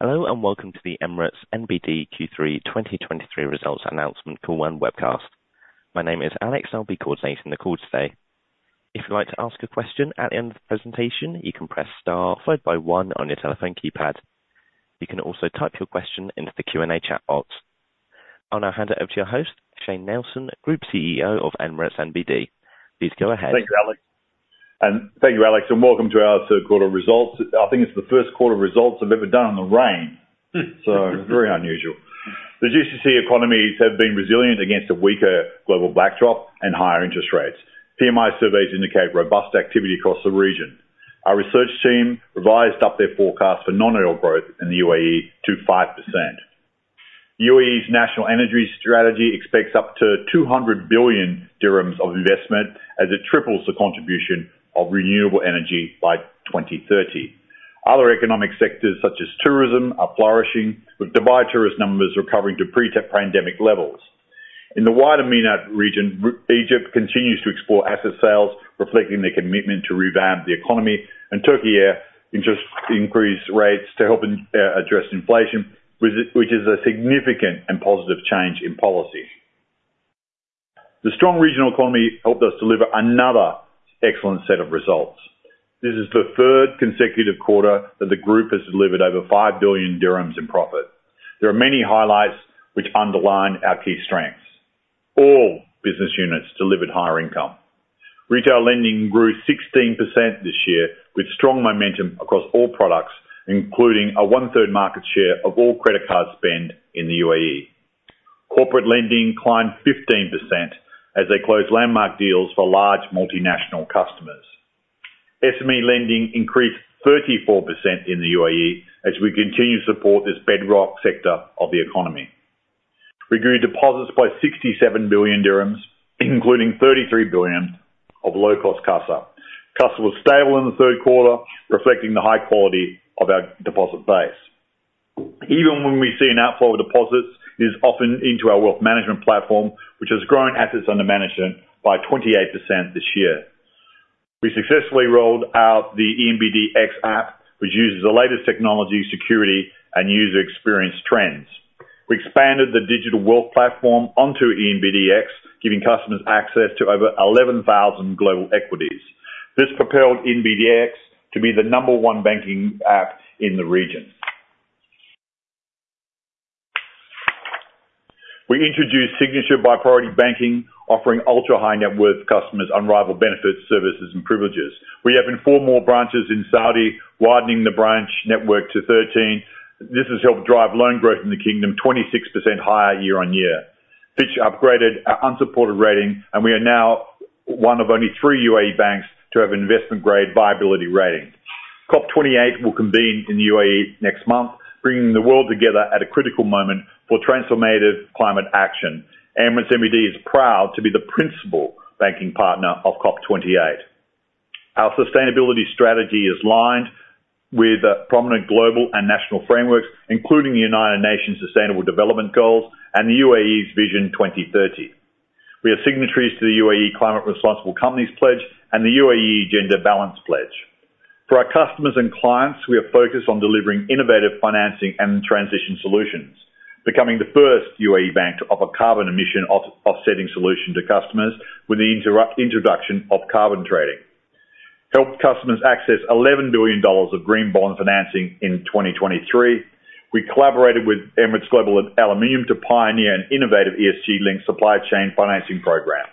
Hello, and welcome to the Emirates NBD Q3 2023 results announcement call and webcast. My name is Alex. I'll be coordinating the call today. If you'd like to ask a question at the end of the presentation, you can press Star followed by One on your telephone keypad. You can also type your question into the Q&A chat box. I'll now hand it over to your host, Shayne Nelson, Group CEO of Emirates NBD. Please go ahead. Thank you, Alex. Thank you, Alex, and welcome to our third quarter results. I think it's the first quarter results I've ever done in the rain, so very unusual. The GCC economies have been resilient against a weaker global backdrop and higher interest rates. PMI surveys indicate robust activity across the region. Our research team revised up their forecast for non-oil growth in the UAE to 5%. UAE's National Energy Strategy expects up to 200 billion dirhams of investment as it triples the contribution of renewable energy by 2030. Other economic sectors, such as tourism, are flourishing, with Dubai tourist numbers recovering to pre-pandemic levels. In the wider MENAT region, Egypt continues to explore asset sales, reflecting their commitment to revamp the economy, and Turkey increased rates to help address inflation, which is a significant and positive change in policy. The strong regional economy helped us deliver another excellent set of results. This is the third consecutive quarter that the group has delivered over 5 billion dirhams in profit. There are many highlights which underline our key strengths. All business units delivered higher income. Retail lending grew 16% this year, with strong momentum across all products, including a one-third market share of all credit card spend in the UAE. Corporate lending climbed 15% as they closed landmark deals for large multinational customers. SME lending increased 34% in the UAE as we continue to support this bedrock sector of the economy. We grew deposits by 67 billion dirhams, including 33 billion of low-cost CASA. CASA was stable in the third quarter, reflecting the high quality of our deposit base. Even when we see an outflow of deposits, it is often into our wealth management platform, which has grown assets under management by 28% this year. We successfully rolled out the ENBD X app, which uses the latest technology, security, and user experience trends. We expanded the digital wealth platform onto ENBD X, giving customers access to over 11,000 global equities. This propelled ENBD X to be the number one banking app in the region. We introduced Signature by Priority Banking, offering ultra-high net worth customers unrivaled benefits, services, and privileges. We opened four more branches in Saudi, widening the branch network to 13. This has helped drive loan growth in the kingdom 26% higher year-on-year. Fitch upgraded our unsupported rating, and we are now one of only three UAE banks to have an investment-grade viability rating. COP28 will convene in the UAE next month, bringing the world together at a critical moment for transformative climate action. Emirates NBD is proud to be the principal banking partner of COP28. Our sustainability strategy is lined with prominent global and national frameworks, including the United Nations Sustainable Development Goals and the UAE's Vision 2030. We are signatories to the UAE Climate Responsible Companies Pledge and the UAE Gender Balance Pledge. For our customers and clients, we are focused on delivering innovative financing and transition solutions, becoming the first UAE bank to offer carbon emission offsetting solution to customers with the introduction of carbon trading. Helped customers access $11 billion of green bond financing in 2023. We collaborated with Emirates Global Aluminium to pioneer an innovative ESG-linked supply chain financing program.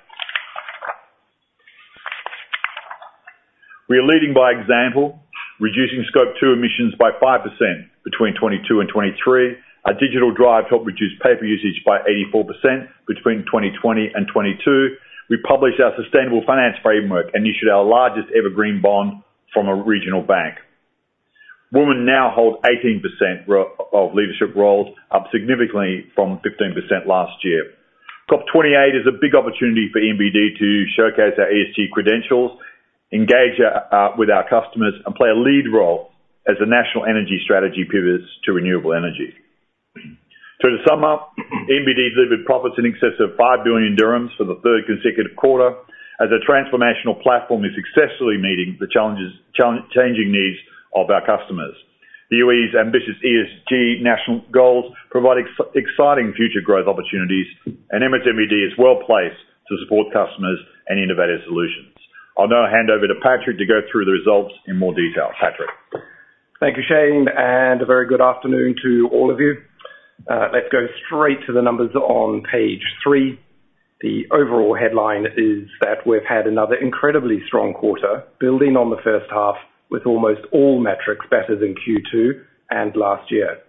We are leading by example, reducing Scope 2 emissions by 5% between 2022 and 2023. Our digital drive helped reduce paper usage by 84% between 2020 and 2022. We published our sustainable finance framework and issued our largest-ever green bond from a regional bank. Women now hold 18% of leadership roles, up significantly from 15% last year. COP28 is a big opportunity for ENBD to showcase our ESG credentials, engage with our customers, and play a lead role as the national energy strategy pivots to renewable energy. So to sum up, ENBD delivered profits in excess of 5 billion dirhams for the third consecutive quarter, as a transformational platform is successfully meeting the changing needs of our customers. The UAE's ambitious ESG national goals provide exciting future growth opportunities, and Emirates NBD is well-placed to support customers and innovative solutions. I'll now hand over to Patrick to go through the results in more detail. Patrick? Thank you, Shayne, and a very good afternoon to all of you. Let's go straight to the numbers on page three. The overall headline is that we've had another incredibly strong quarter, building on the first half with almost all metrics better than Q2 and last year.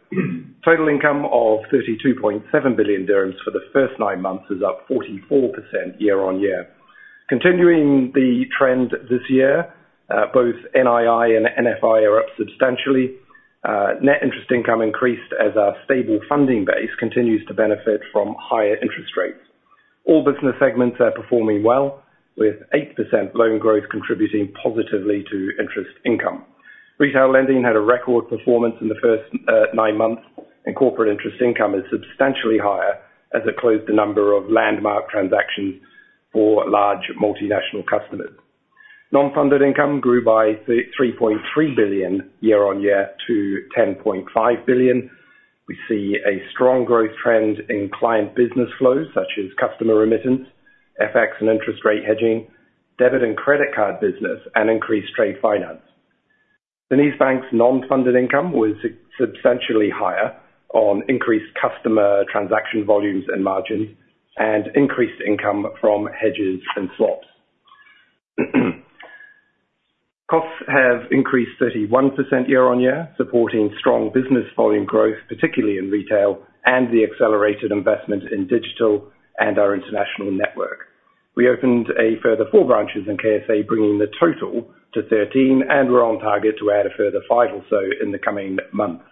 Total income of 32.7 billion dirhams for the first nine months is up 44% year-on-year. Continuing the trend this year, both NII and NFI are up substantially. Net interest income increased as our stable funding base continues to benefit from higher interest rates. All business segments are performing well, with 8% loan growth contributing positively to interest income. Retail lending had a record performance in the first nine months, and corporate interest income is substantially higher as it closed the number of landmark transactions for large multinational customers. Non-funded income grew by three point three billion year-on-year to ten point five billion. We see a strong growth trend in client business flows, such as customer remittance, FX and interest rate hedging, debit and credit card business, and increased trade finance. DenizBank's non-funded income was substantially higher on increased customer transaction volumes and margins, and increased income from hedges and swaps. Costs have increased 31% year-on-year, supporting strong business volume growth, particularly in retail, and the accelerated investment in digital and our international network. We opened a further four branches in KSA, bringing the total to 13, and we're on target to add a further five or so in the coming months.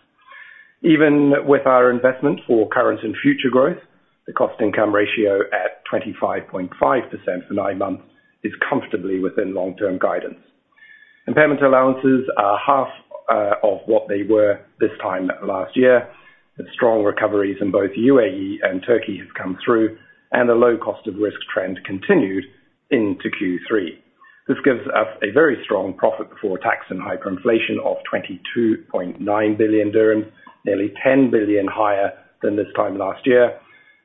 Even with our investment for current and future growth, the cost income ratio at 25.5% for nine months is comfortably within long-term guidance. Impairment allowances are half of what they were this time last year, with strong recoveries in both UAE and Turkey have come through, and the low cost of risk trend continued into Q3. This gives us a very strong profit before tax and hyperinflation of 22.9 billion dirhams, nearly 10 billion higher than this time last year,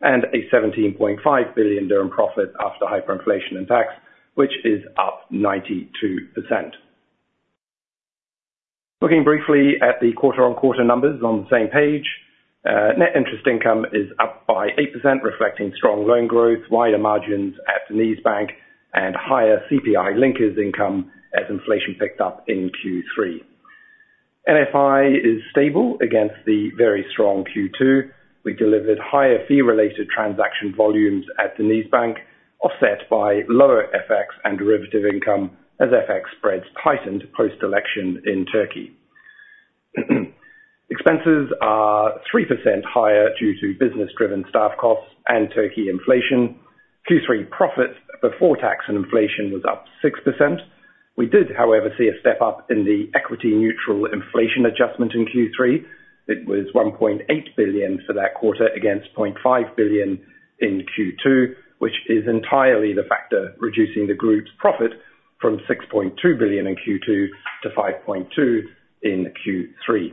and a 17.5 billion dirham profit after hyperinflation and tax, which is up 92%. Looking briefly at the quarter-on-quarter numbers on the same page, net interest income is up by 8%, reflecting strong loan growth, wider margins at DenizBank, and higher CPI linkers income as inflation picked up in Q3. NFI is stable against the very strong Q2. We delivered higher fee-related transaction volumes at DenizBank, offset by lower FX and derivative income, as FX spreads tightened post-election in Turkey. Expenses are 3% higher due to business-driven staff costs and Turkey inflation. Q3 profits before tax and inflation was up 6%. We did, however, see a step-up in the equity-neutral inflation adjustment in Q3. It was 1.8 billion for that quarter against 0.5 billion in Q2, which is entirely the factor reducing the group's profit from 6.2 billion in Q2 to 5.2 billion in Q3.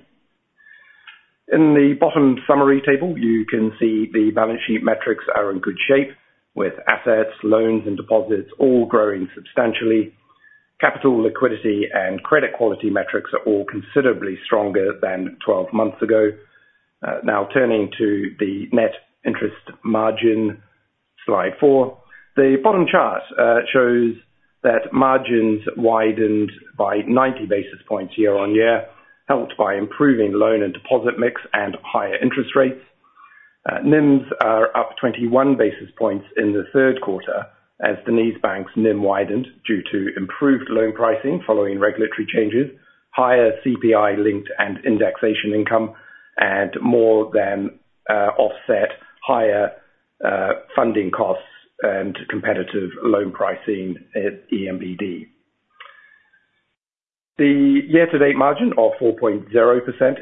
In the bottom summary table, you can see the balance sheet metrics are in good shape, with assets, loans and deposits all growing substantially. Capital liquidity and credit quality metrics are all considerably stronger than 12 months ago. Now turning to the net interest margin, slide 4. The bottom chart shows that margins widened by 90 basis points year-on-year, helped by improving loan and deposit mix and higher interest rates. NIMs are up 21 basis points in the third quarter as DenizBank's NIM widened due to improved loan pricing following regulatory changes, higher CPI-linked and indexation income, and more than offset higher funding costs and competitive loan pricing at ENBD. The year-to-date margin of 4.0%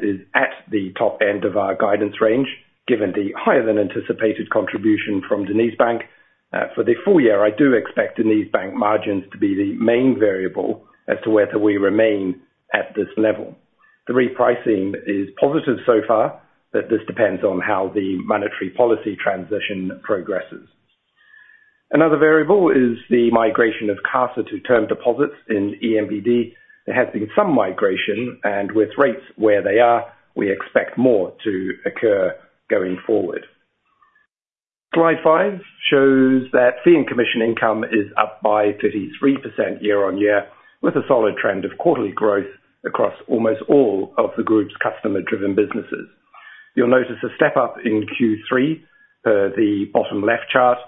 is at the top end of our guidance range, given the higher than anticipated contribution from DenizBank. For the full year, I do expect DenizBank margins to be the main variable as to whether we remain at this level. The repricing is positive so far, but this depends on how the monetary policy transition progresses. Another variable is the migration of CASA to term deposits in ENBD. There has been some migration, and with rates where they are, we expect more to occur going forward. Slide 5 shows that fee and commission income is up by 33% year-on-year, with a solid trend of quarterly growth across almost all of the group's customer-driven businesses. You'll notice a step-up in Q3, the bottom left chart,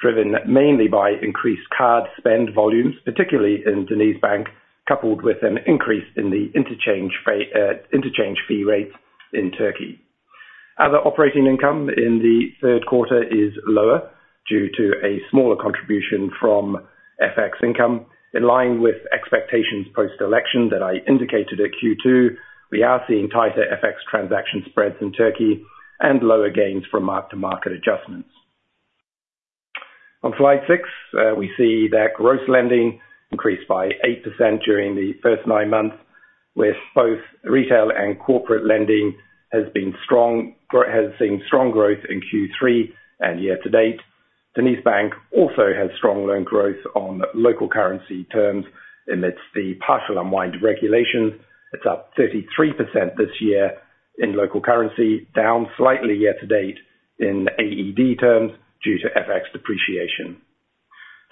driven mainly by increased card spend volumes, particularly in DenizBank, coupled with an increase in the interchange fee rates in Turkey. Other operating income in the third quarter is lower due to a smaller contribution from FX income, in line with expectations post-election that I indicated at Q2. We are seeing tighter FX transaction spreads in Turkey and lower gains from mark-to-market adjustments. On Slide 6, we see that gross lending increased by 8% during the first nine months, with both retail and corporate lending has seen strong growth in Q3 and year to date. DenizBank also had strong loan growth on local currency terms amidst the partial unwind regulations. It's up 33% this year in local currency, down slightly year to date in AED terms due to FX depreciation.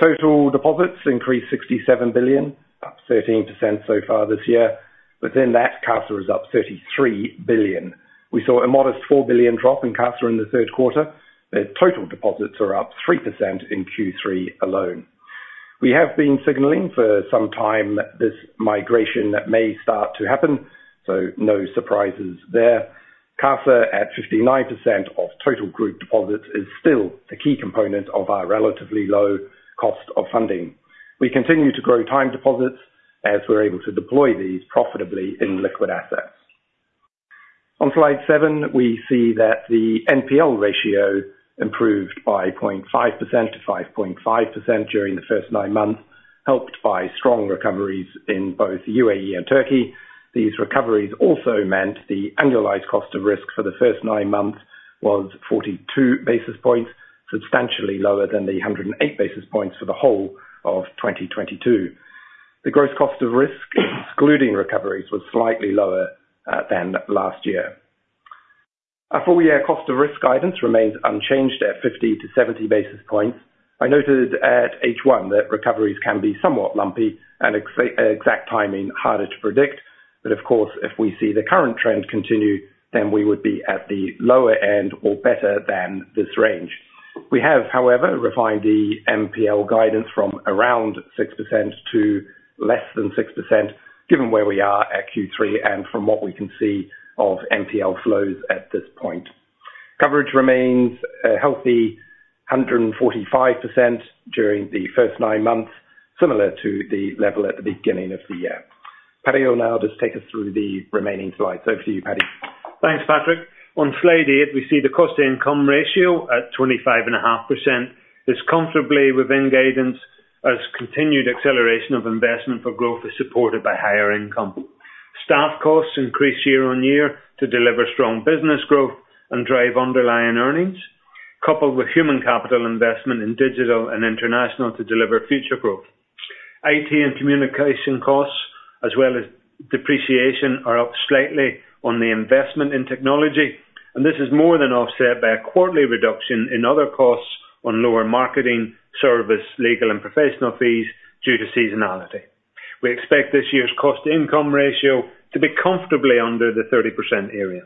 Total deposits increased 67 billion, up 13% so far this year. Within that, CASA is up 33 billion. We saw a modest 4 billion drop in CASA in the third quarter. The total deposits are up 3% in Q3 alone. We have been signaling for some time that this migration may start to happen, so no surprises there. CASA, at 59% of total group deposits, is still the key component of our relatively low cost of funding. We continue to grow time deposits as we're able to deploy these profitably in liquid assets. On Slide seven, we see that the NPL ratio improved by 0.5% to 5.5% during the first nine months, helped by strong recoveries in both UAE and Turkey. These recoveries also meant the annualized cost of risk for the first nine months was 42 basis points, substantially lower than the 108 basis points for the whole of 2022. The gross cost of risk, excluding recoveries, was slightly lower than last year. Our full year cost of risk guidance remains unchanged at 50-70 basis points. I noted at H1 that recoveries can be somewhat lumpy and exact timing harder to predict. But of course, if we see the current trend continue, then we would be at the lower end or better than this range. We have, however, refined the NPL guidance from around 6% to less than 6%, given where we are at Q3 and from what we can see of NPL flows at this point. Coverage remains a healthy 145% during the first nine months, similar to the level at the beginning of the year. Paddy will now just take us through the remaining slides. Over to you, Paddy. Thanks, Patrick. On Slide 8, we see the cost income ratio at 25.5%. It's comfortably within guidance as continued acceleration of investment for growth is supported by higher income. Staff costs increased year-on-year to deliver strong business growth and drive underlying earnings, coupled with human capital investment in digital and international to deliver future growth. IT and communication costs, as well as depreciation, are up slightly on the investment in technology, and this is more than offset by a quarterly reduction in other costs on lower marketing, service, legal and professional fees due to seasonality. We expect this year's cost to income ratio to be comfortably under the 30% area.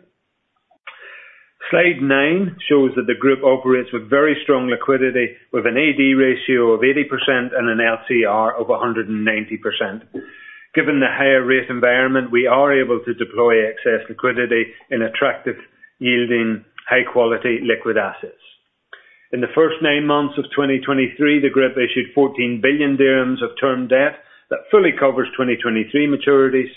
Slide 9 shows that the group operates with very strong liquidity, with an AD ratio of 80% and an LCR of 190%. Given the higher rate environment, we are able to deploy excess liquidity in attractive, yielding, high quality liquid assets. In the first 9 months of 2023, the group issued 14 billion dirhams of term debt that fully covers 2023 maturities.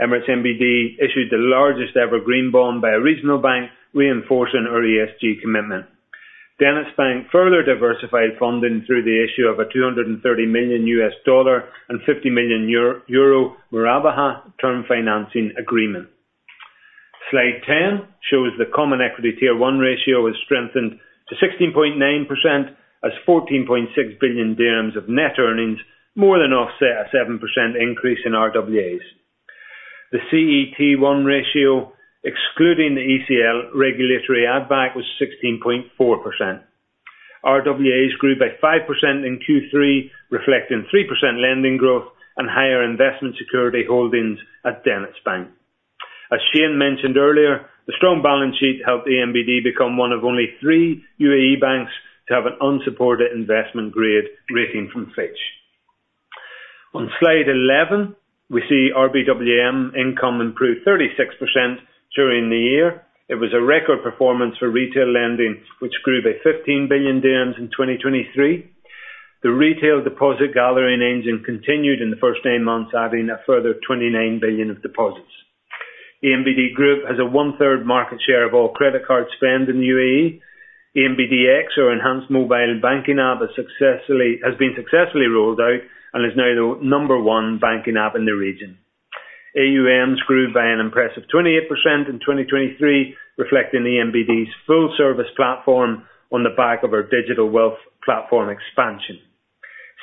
Emirates NBD issued the largest ever green bond by a regional bank, reinforcing our ESG commitment. DenizBank further diversified funding through the issue of a $230 million and 50 million euro Murabaha term financing agreement. Slide 10 shows the Common Equity Tier 1 ratio has strengthened to 16.9%, as 14.6 billion dirhams of net earnings more than offset a 7% increase in RWAs. The CET1 ratio, excluding the ECL regulatory add back, was 16.4%. RWAs grew by 5% in Q3, reflecting 3% lending growth and higher investment security holdings at DenizBank. As Shayne mentioned earlier, the strong balance sheet helped ENBD become one of only three UAE banks to have an unsupported investment grade rating from Fitch. On Slide 11, we see RBWM income improved 36% during the year. It was a record performance for retail lending, which grew by 15 billion dirhams in 2023. The retail deposit gathering engine continued in the first nine months, adding a further 29 billion of deposits. ENBD Group has a one-third market share of all credit card spend in the UAE. ENBD X, or enhanced mobile banking app, has been successfully rolled out and is now the number one banking app in the region. AUMs grew by an impressive 28% in 2023, reflecting ENBD's full service platform on the back of our digital wealth platform expansion.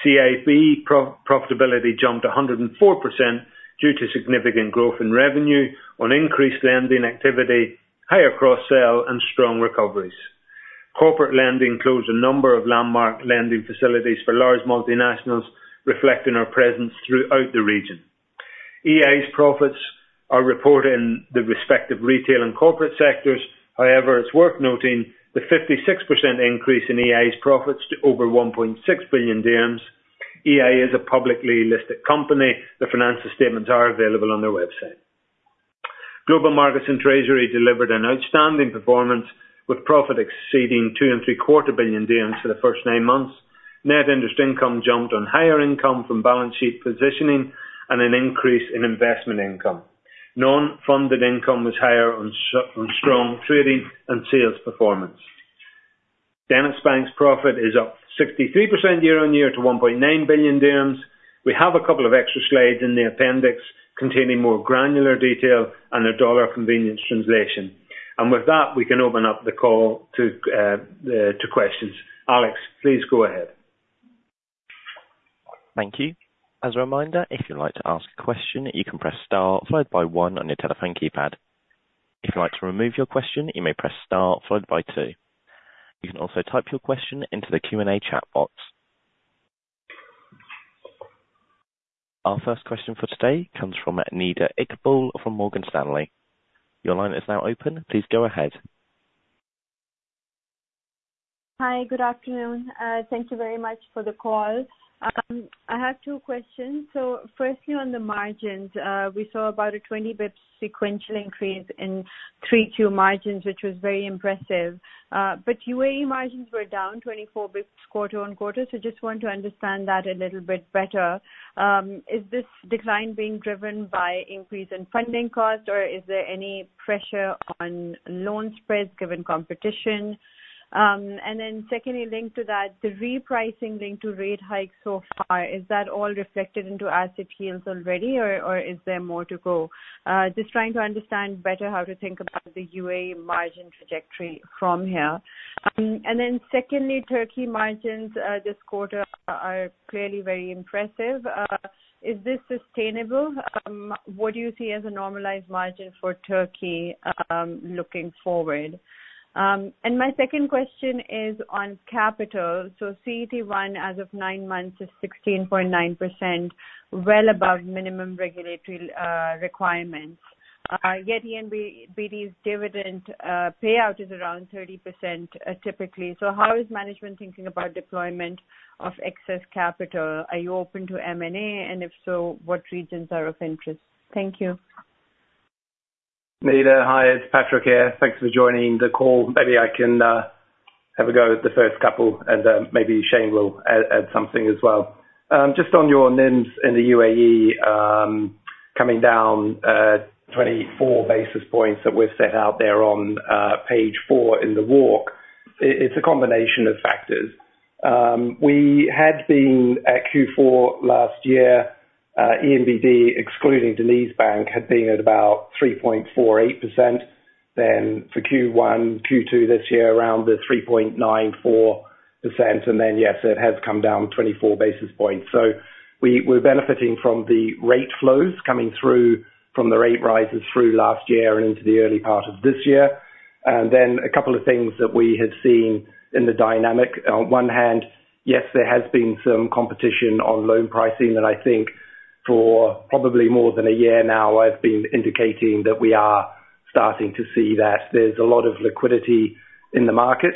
CIB profitability jumped 104% due to significant growth in revenue on increased lending activity, higher cross-sell, and strong recoveries. Corporate lending closed a number of landmark lending facilities for large multinationals, reflecting our presence throughout the region. EI's profits are reported in the respective retail and corporate sectors. However, it's worth noting the 56% increase in EI's profits to over 1.6 billion dirhams. EI is a publicly listed company. The financial statements are available on their website. Global Markets and Treasury delivered an outstanding performance, with profit exceeding 2.75 billion dirhams for the first nine months. Net interest income jumped on higher income from balance sheet positioning and an increase in investment income. Non-funded income was higher on strong trading and sales performance. DenizBank's profit is up 63% year-on-year to 1.9 billion dirhams. We have a couple of extra slides in the appendix containing more granular detail and a dollar convenience translation. With that, we can open up the call to questions. Alex, please go ahead. Thank you. As a reminder, if you'd like to ask a question, you can press star followed by one on your telephone keypad. If you'd like to remove your question, you may press star followed by two. You can also type your question into the Q&A chat box. Our first question for today comes from Nida Iqbal from Morgan Stanley. Your line is now open. Please go ahead. Hi, good afternoon. Thank you very much for the call. I have two questions. So firstly, on the margins, we saw about a 20 basis points sequential increase in 3Q margins, which was very impressive, but UAE margins were down 24 basis points quarter-over-quarter. Just want to understand that a little bit better. Is this decline being driven by increase in funding costs, or is there any pressure on loan spreads given competition? And then secondly, linked to that, the repricing linked to rate hikes so far, is that all reflected into asset yields already, or is there more to go? Just trying to understand better how to think about the UAE margin trajectory from here. And then secondly, Turkey margins, this quarter are clearly very impressive. Is this sustainable? What do you see as a normalized margin for Turkey, looking forward? And my second question is on capital. So CET1, as of nine months, is 16.9%, well above minimum regulatory requirements. Yet ENBD's dividend payout is around 30%, typically. So how is management thinking about deployment of excess capital? Are you open to M&A? And if so, what regions are of interest? Thank you. Nida, hi, it's Patrick here. Thanks for joining the call. Maybe I can have a go at the first couple, and maybe Shayne will add something as well. Just on your NIMS in the UAE, coming down 24 basis points that we've set out there on page four in the walk, it's a combination of factors. We had been at Q4 last year, Emirates NBD, excluding DenizBank, had been at about 3.48%. Then for Q1, Q2 this year, around the 3.94%, and then yes, it has come down 24 basis points. So we're benefiting from the rate flows coming through from the rate rises through last year and into the early part of this year. And then a couple of things that we have seen in the dynamic. On one hand, yes, there has been some competition on loan pricing that I think for probably more than a year now, I've been indicating that we are starting to see that. There's a lot of liquidity in the market.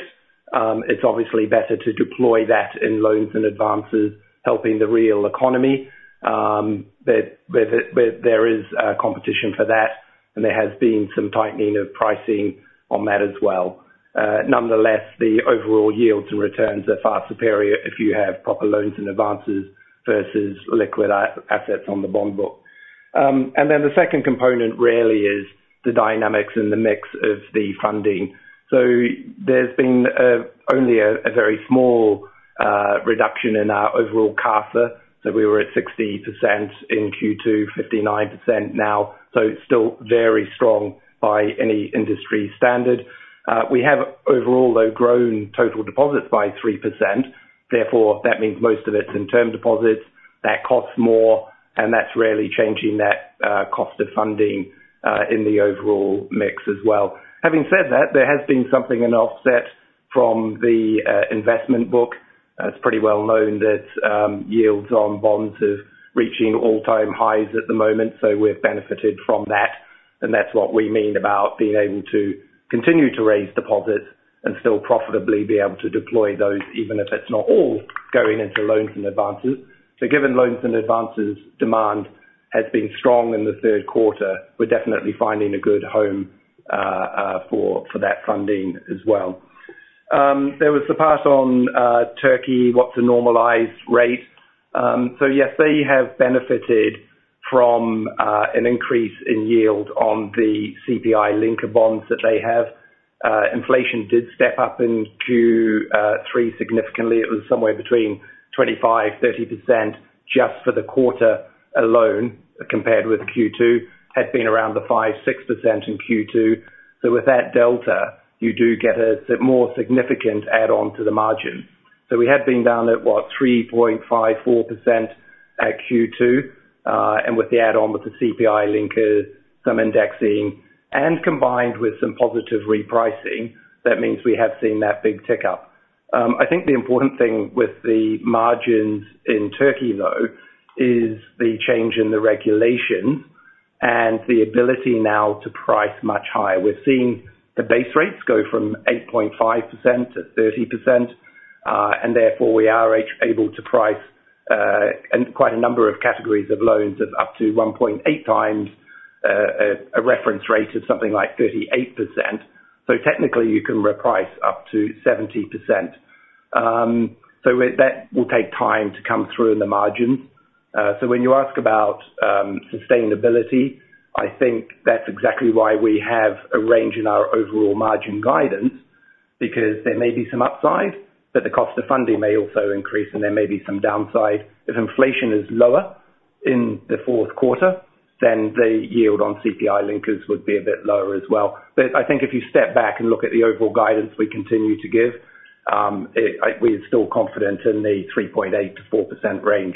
It's obviously better to deploy that in loans and advances, helping the real economy. There is competition for that, and there has been some tightening of pricing on that as well. Nonetheless, the overall yields and returns are far superior if you have proper loans and advances versus liquid assets on the bond book. And then the second component really is the dynamics and the mix of the funding. So there's been only a very small reduction in our overall CASA. So we were at 60% in Q2, 59% now, so it's still very strong by any industry standard. We have overall, though, grown total deposits by 3%, therefore, that means most of it's in term deposits. That costs more, and that's really changing that cost of funding in the overall mix as well. Having said that, there has been something, an offset from the investment book. It's pretty well known that yields on bonds is reaching all-time highs at the moment, so we've benefited from that, and that's what we mean about being able to continue to raise deposits and still profitably be able to deploy those, even if it's not all going into loans and advances. So given loans and advances, demand has been strong in the third quarter. We're definitely finding a good home for that funding as well. There was the part on Turkey, what's a normalized rate? So yes, they have benefited from an increase in yield on the CPI linker bonds that they have. Inflation did step up in Q3 significantly. It was somewhere between 25-30% just for the quarter alone, compared with Q2, had been around the 5-6% in Q2. So with that delta, you do get a more significant add-on to the margin. So we had been down at, what, 3.5-4% at Q2, and with the add-on, with the CPI linkers, some indexing, and combined with some positive repricing, that means we have seen that big tick up. I think the important thing with the margins in Turkey, though, is the change in the regulation and the ability now to price much higher. We're seeing the base rates go from 8.5% to 30%, and therefore, we are able to price, and quite a number of categories of loans of up to 1.8 times, a reference rate of something like 38%. So technically, you can reprice up to 70%. So that will take time to come through in the margins. So when you ask about, sustainability, I think that's exactly why we have a range in our overall margin guidance, because there may be some upside, but the cost of funding may also increase, and there may be some downside. If inflation is lower in the fourth quarter, then the yield on CPI Linkers would be a bit lower as well. But I think if you step back and look at the overall guidance we continue to give, we're still confident in the 3.8%-4% range.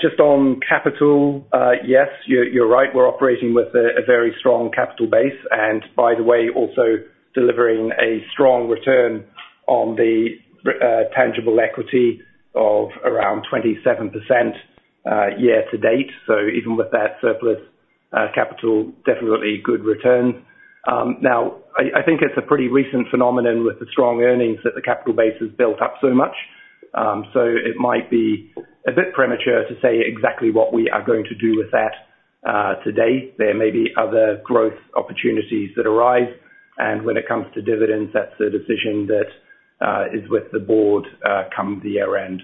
Just on capital, yes, you're right. We're operating with a very strong capital base, and by the way, also delivering a strong return on the tangible equity of around 27%, year to date. So even with that surplus capital, definitely good return. Now, I think it's a pretty recent phenomenon with the strong earnings that the capital base has built up so much. So it might be a bit premature to say exactly what we are going to do with that, to date. There may be other growth opportunities that arise, and when it comes to dividends, that's a decision that is with the board, come the year-end.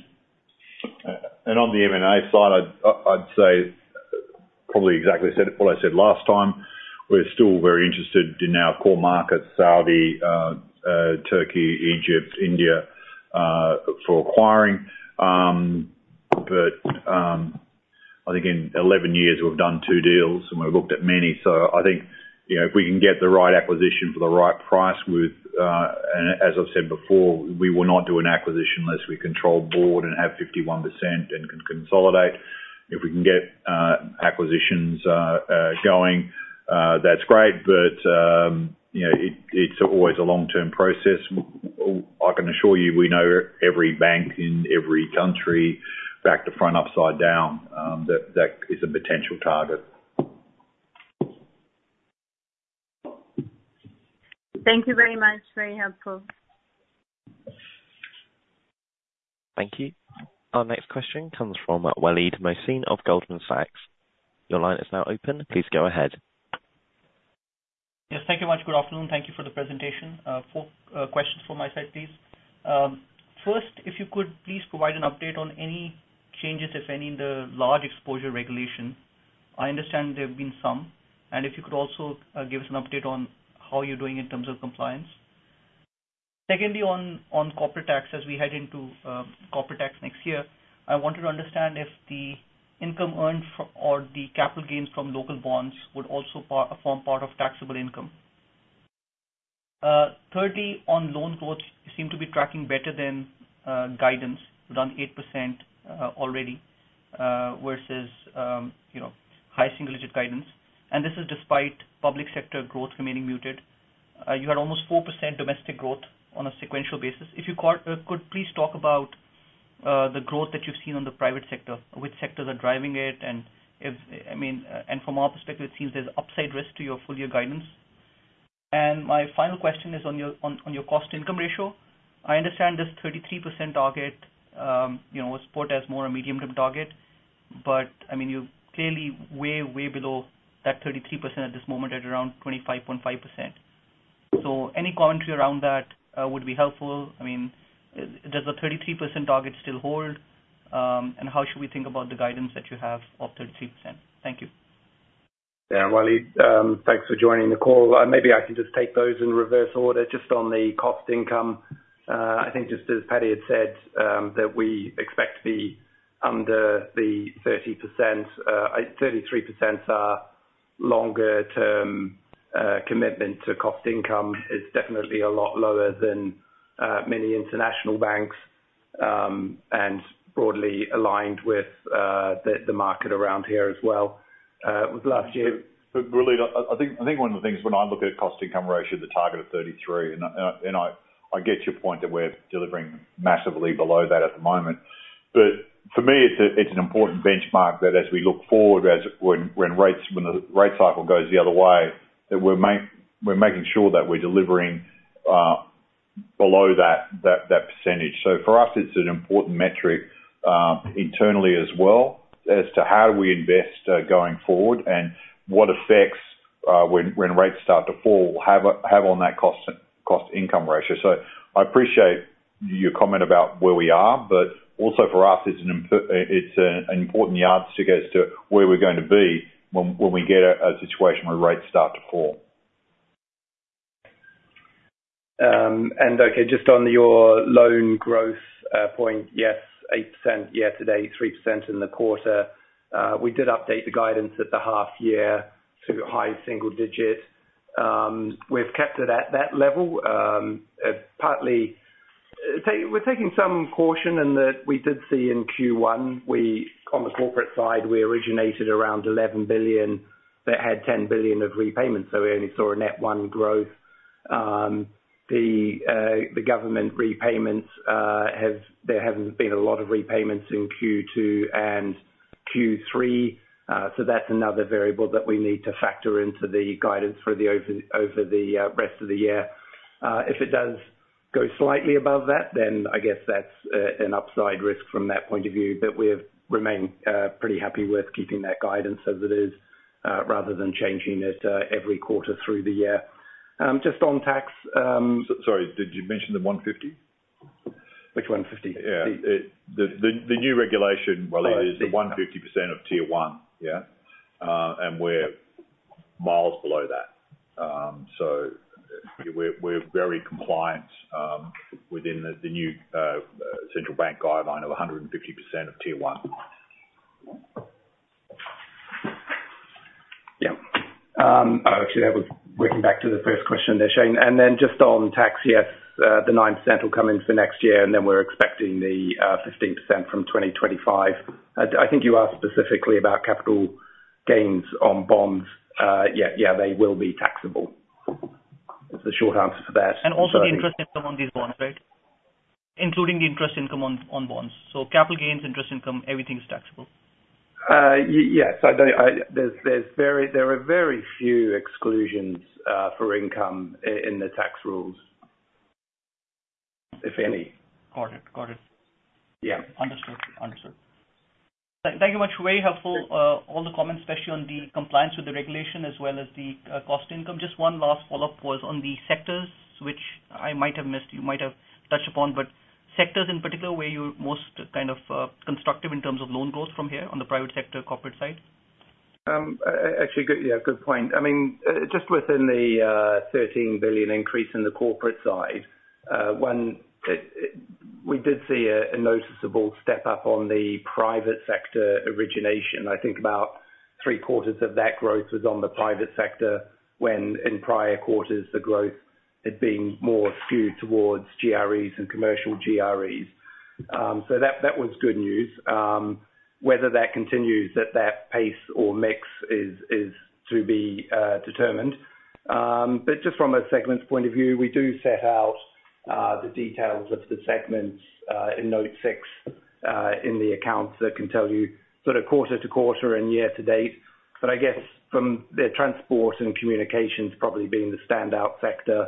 And on the M&A side, I'd say probably exactly what I said last time. We're still very interested in our core markets, Saudi, Turkey, Egypt, India, for acquiring. But I think in 11 years, we've done 2 deals, and we've looked at many. So I think, you know, if we can get the right acquisition for the right price with, and as I've said before, we will not do an acquisition unless we control board and have 51% and can consolidate. If we can get acquisitions going, that's great, but you know, it, it's always a long-term process. I can assure you, we know every bank in every country, back to front, upside down, that is a potential target. Thank you very much. Very helpful. Thank you. Our next question comes from Waleed Mohsin of Goldman Sachs. Your line is now open. Please go ahead. Yes, thank you much. Good afternoon, thank you for the presentation. Four questions from my side, please. First, if you could please provide an update on any changes, if any, in the large exposure regulation. I understand there have been some, and if you could also give us an update on how you're doing in terms of compliance. Secondly, on corporate tax, as we head into corporate tax next year, I wanted to understand if the income earned or the capital gains from local bonds would also form part of taxable income. Thirdly, on loan growth, you seem to be tracking better than guidance, down 8%, already, versus, you know, high single-digit guidance. And this is despite public sector growth remaining muted. You had almost 4% domestic growth on a sequential basis. If you could please talk about the growth that you've seen on the private sector, which sectors are driving it, and if, I mean, and from our perspective, it seems there's upside risk to your full year guidance. And my final question is on your cost income ratio. I understand this 33% target, you know, was put as more a medium-term target, but, I mean, you're clearly way, way below that 33% at this moment, at around 25.5%. So any commentary around that would be helpful. I mean, does the 33% target still hold? And how should we think about the guidance that you have of 33%? Thank you. Yeah, Waleed, thanks for joining the call. Maybe I can just take those in reverse order, just on the cost income. I think just as Paddy had said, that we expect the, under the 30%, 33% longer term, commitment to cost income is definitely a lot lower than, many international banks, and broadly aligned with, the, the market around here as well. With last year- But Waleed, I think one of the things when I look at cost-income ratio, the target of 33%, and I get your point that we're delivering massively below that at the moment. But for me, it's an important benchmark that as we look forward, as when rates, when the rate cycle goes the other way, that we're making sure that we're delivering below that percentage. So for us, it's an important metric internally as well, as to how do we invest going forward and what effects when rates start to fall have on that cost-income ratio. I appreciate your comment about where we are, but also for us, it's an important yardstick as to where we're going to be when we get a situation where rates start to fall. Okay, just on your loan growth point, yes, 8% year to date, 3% in the quarter. We did update the guidance at the half year to high single-digit. We've kept it at that level, partly. We're taking some caution in that we did see in Q1, on the corporate side, we originated around 11 billion, that had 10 billion of repayments, so we only saw a net 1 growth. The government repayments—there hasn't been a lot of repayments in Q2 and Q3, so that's another variable that we need to factor into the guidance for the over the rest of the year. If it does go slightly above that, then I guess that's an upside risk from that point of view. But we've remained pretty happy with keeping that guidance as it is, rather than changing it, every quarter through the year. Just on tax, Sorry, did you mention the 150? Which 150? Yeah, it, the new regulation, Waleed, is the 150% of Tier 1, yeah? And we're miles below that. So we're very compliant within the new central bank guideline of 150% of Tier 1. Yeah. Actually, that was bringing back to the first question there, Shayne. And then just on tax, yes, the 9% will come into the next year, and then we're expecting the 15% from 2025. I, I think you asked specifically about capital gains on bonds. Yeah, yeah, they will be taxable. That's the short answer for that. Also the interest income on these bonds, right? Including the interest income on bonds. So capital gains, interest income, everything is taxable. Yes, I don't. There are very few exclusions for income in the tax rules, if any. Got it. Got it. Yeah. Understood. Understood. Thank you much. Very helpful. All the comments, especially on the compliance with the regulation as well as the cost income. Just one last follow-up was on the sectors, which I might have missed, you might have touched upon, but sectors in particular, where you're most kind of constructive in terms of loan growth from here on the private sector corporate side? Actually, good, yeah, good point. I mean, just within the, thirteen billion increase in the corporate side, when we did see a noticeable step up on the private sector origination. I think about three quarters of that growth was on the private sector, when in prior quarters, the growth had been more skewed towards GREs and commercial GREs. So that, that was good news. Whether that continues at that pace or mix is, to be, determined. But just from a segments point of view, we do set out, the details of the segments, in Note 6, in the accounts that can tell you sort of quarter to quarter and year to date. But I guess from the transport and communications probably being the standout sector,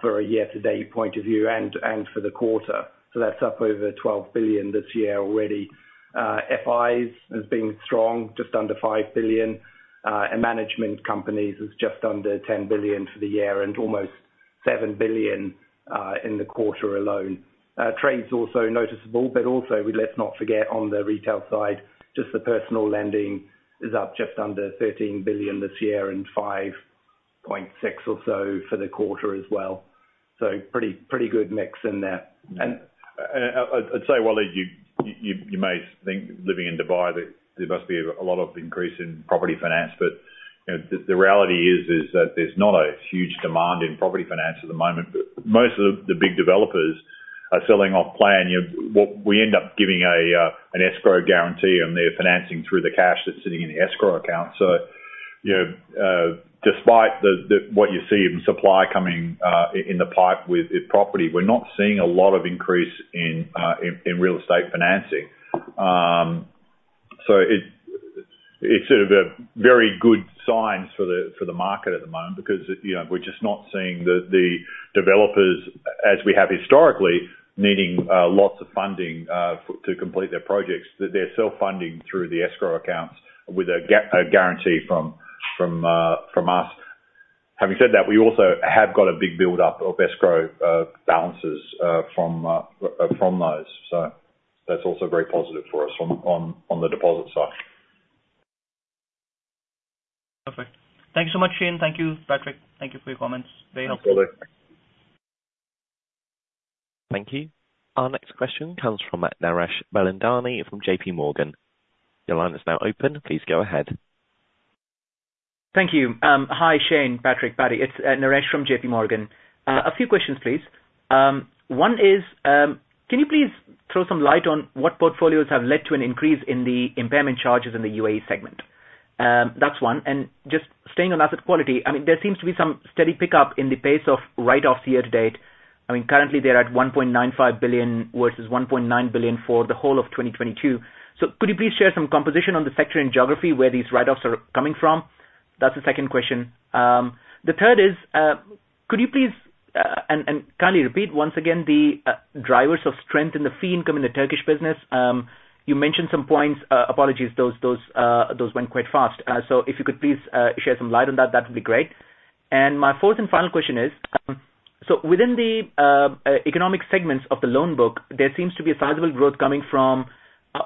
for a year to date point of view, and for the quarter. So that's up over 12 billion this year already. FIs has been strong, just under 5 billion, and management companies is just under 10 billion for the year, and almost 7 billion in the quarter alone. Trade's also noticeable, but also let's not forget on the retail side, just the personal lending is up just under 13 billion this year, and 5.6 billion or so for the quarter as well. So pretty, pretty good mix in there. I'd say, Waleed, you may think living in Dubai, that there must be a lot of increase in property finance, but, you know, the reality is that there's not a huge demand in property finance at the moment. Most of the big developers are selling off plan. You know, we end up giving an escrow guarantee, and they're financing through the cash that's sitting in the escrow account. So, you know, despite the what you see in supply coming in the pipe with property, we're not seeing a lot of increase in real estate financing. So it's sort of a very good signs for the market at the moment because, you know, we're just not seeing the developers, as we have historically, needing lots of funding to complete their projects. That they're self-funding through the escrow accounts with a guarantee from us. Having said that, we also have got a big buildup of escrow balances from those. So that's also very positive for us on the deposit side. Perfect. Thank you so much, Shayne. Thank you, Patrick. Thank you for your comments. Very helpful. Thanks, Waleed. Thank you. Our next question comes from Naresh Bilandani from JP Morgan. Your line is now open. Please go ahead. Thank you. Hi, Shayne, Patrick, Paddy, it's Naresh from JP Morgan. A few questions, please. One is, can you please throw some light on what portfolios have led to an increase in the impairment charges in the UAE segment? That's one. And just staying on asset quality, I mean, there seems to be some steady pickup in the pace of write-offs year to date. I mean, currently they're at 1.95 billion versus 1.9 billion for the whole of 2022. So could you please share some composition on the sector and geography where these write-offs are coming from? That's the second question. The third is, could you please and kindly repeat once again the drivers of strength in the fee income in the Turkish business? You mentioned some points. Apologies, those went quite fast. So if you could please shed some light on that, that would be great. And my fourth and final question is, so within the economic segments of the loan book, there seems to be a sizable growth coming from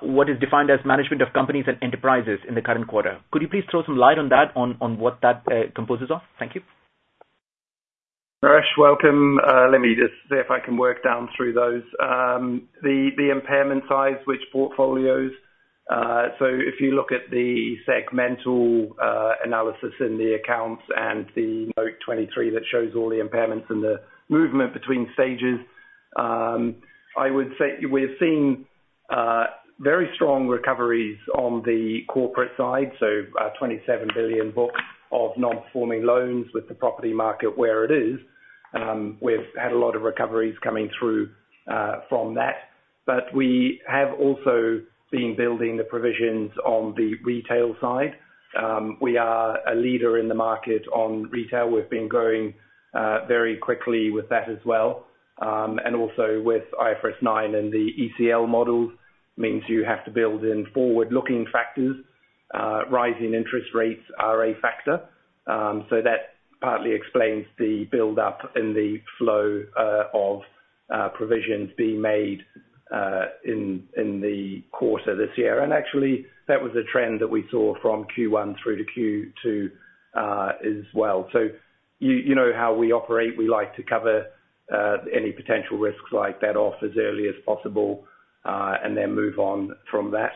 what is defined as management of companies and enterprises in the current quarter. Could you please throw some light on that, on what that composes of? Thank you. Naresh, welcome. Let me just see if I can work down through those. The impairment side, which portfolios? So if you look at the segmental analysis in the accounts and the Note 23, that shows all the impairments and the movement between stages. I would say we're seeing very strong recoveries on the corporate side, so, 27 billion books of non-performing loans with the property market where it is. We've had a lot of recoveries coming through from that, but we have also been building the provisions on the retail side. We are a leader in the market on retail. We've been growing very quickly with that as well. And also with IFRS 9 and the ECL models, means you have to build in forward-looking factors. Rising interest rates are a factor, so that partly explains the buildup in the flow of provisions being made in the quarter this year. Actually, that was a trend that we saw from Q1 through to Q2 as well. So you know how we operate, we like to cover any potential risks like that off as early as possible, and then move on from that.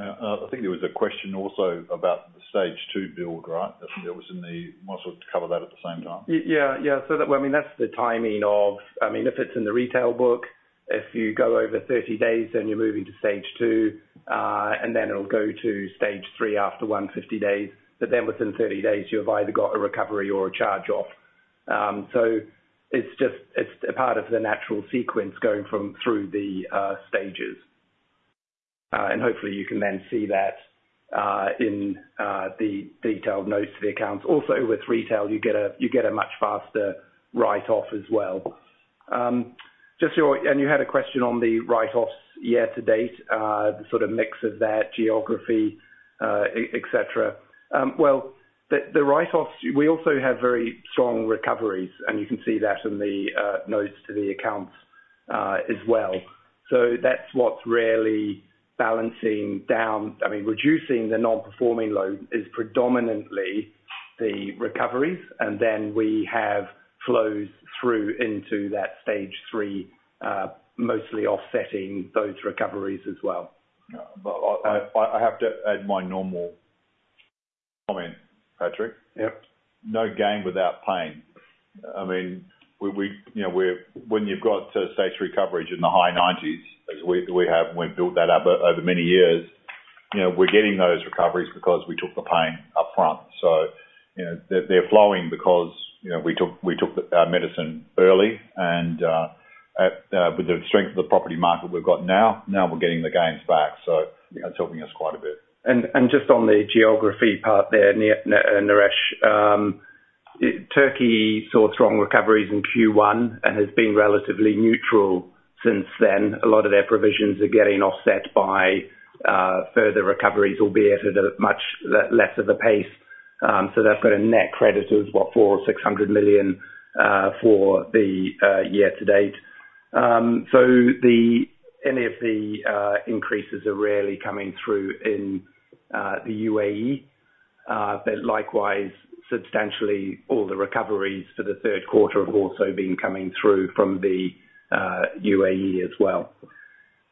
I think there was a question also about the Stage 2 build, right? That was in the, Might as well to cover that at the same time. Yeah, yeah. So that, well, I mean, that's the timing of, I mean, if it's in the retail book, if you go over 30 days, then you're moving to Stage 2, and then it'll go to Stage 3 after 150 days. But then within 30 days, you've either got a recovery or a charge-off. So it's just, it's a part of the natural sequence going from, through the, stages. And hopefully, you can then see that in the detailed notes to the accounts. Also, with retail, you get a, you get a much faster write-off as well. Just so, and you had a question on the write-offs year-to-date, the sort of mix of that, geography, et cetera. Well, the write-offs, we also have very strong recoveries, and you can see that in the notes to the accounts, as well. So that's what's really balancing down—I mean, reducing the non-performing loan is predominantly the recoveries, and then we have flows through into that Stage 3, mostly offsetting those recoveries as well. But I have to add my normal comment, Patrick. Yep. No gain without pain. I mean, we, you know, we're, when you've got stage recoveries in the high 90s%, as we have, and we've built that up over many years, you know, we're getting those recoveries because we took the pain upfront. So, you know, they're flowing because, you know, we took the medicine early and, with the strength of the property market we've got now, we're getting the gains back. So, you know, it's helping us quite a bit. Just on the geography part there, Naresh, Turkey saw strong recoveries in Q1 and has been relatively neutral since then. A lot of their provisions are getting offset by further recoveries, albeit at a much less of a pace. So they've got a net credit of what? 400 million or 600 million for the year to date. So any of the increases are rarely coming through in the UAE, but likewise, substantially all the recoveries for the third quarter have also been coming through from the UAE as well.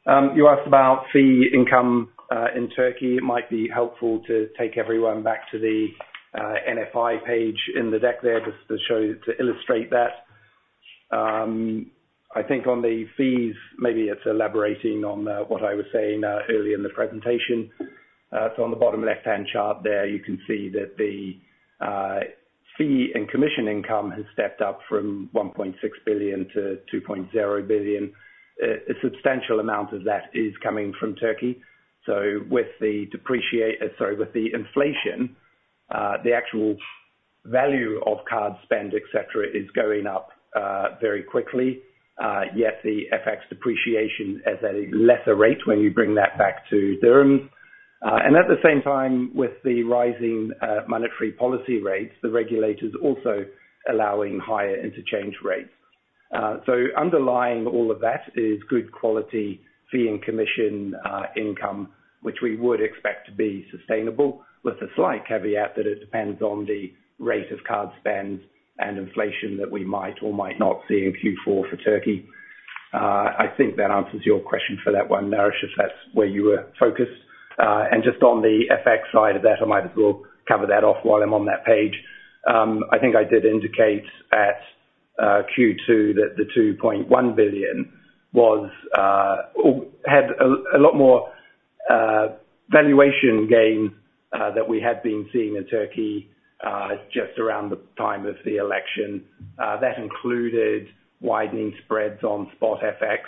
You asked about fee income in Turkey. It might be helpful to take everyone back to the NFI page in the deck there, just to show, to illustrate that. I think on the fees, maybe it's elaborating on what I was saying earlier in the presentation. So on the bottom left-hand chart there, you can see that the fee and commission income has stepped up from 1.6 billion-2.0 billion. A substantial amount of that is coming from Turkey. So with the inflation, the actual value of card spend, et cetera, is going up very quickly. Yet the FX depreciation is at a lesser rate when you bring that back to dirham. And at the same time, with the rising monetary policy rates, the regulators are also allowing higher interchange rates. So underlying all of that is good quality fee and commission income, which we would expect to be sustainable, with a slight caveat that it depends on the rate of card spend and inflation that we might or might not see in Q4 for Turkey. I think that answers your question for that one, Naresh, if that's where you were focused. And just on the FX side of that, I might as well cover that off while I'm on that page. I think I did indicate at Q2 that the 2.1 billion was or had a lot more valuation gain that we had been seeing in Turkey just around the time of the election. That included widening spreads on spot FX,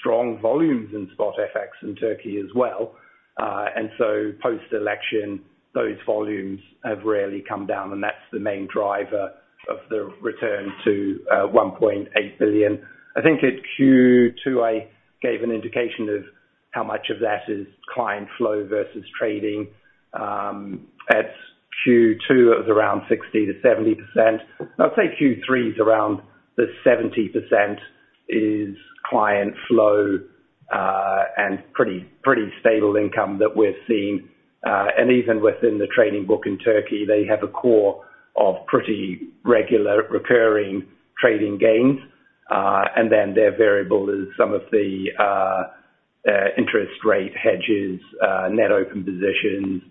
strong volumes in spot FX in Turkey as well. And so post-election, those volumes have rarely come down, and that's the main driver of the return to 1.8 billion. I think at Q2, I gave an indication of how much of that is client flow versus trading. At Q2, it was around 60%-70%. I'd say Q3 is around the 70% is client flow, and pretty, pretty stable income that we're seeing. And even within the trading book in Turkey, they have a core of pretty regular recurring trading gains. And then their variable is some of the interest rate hedges, net open positions,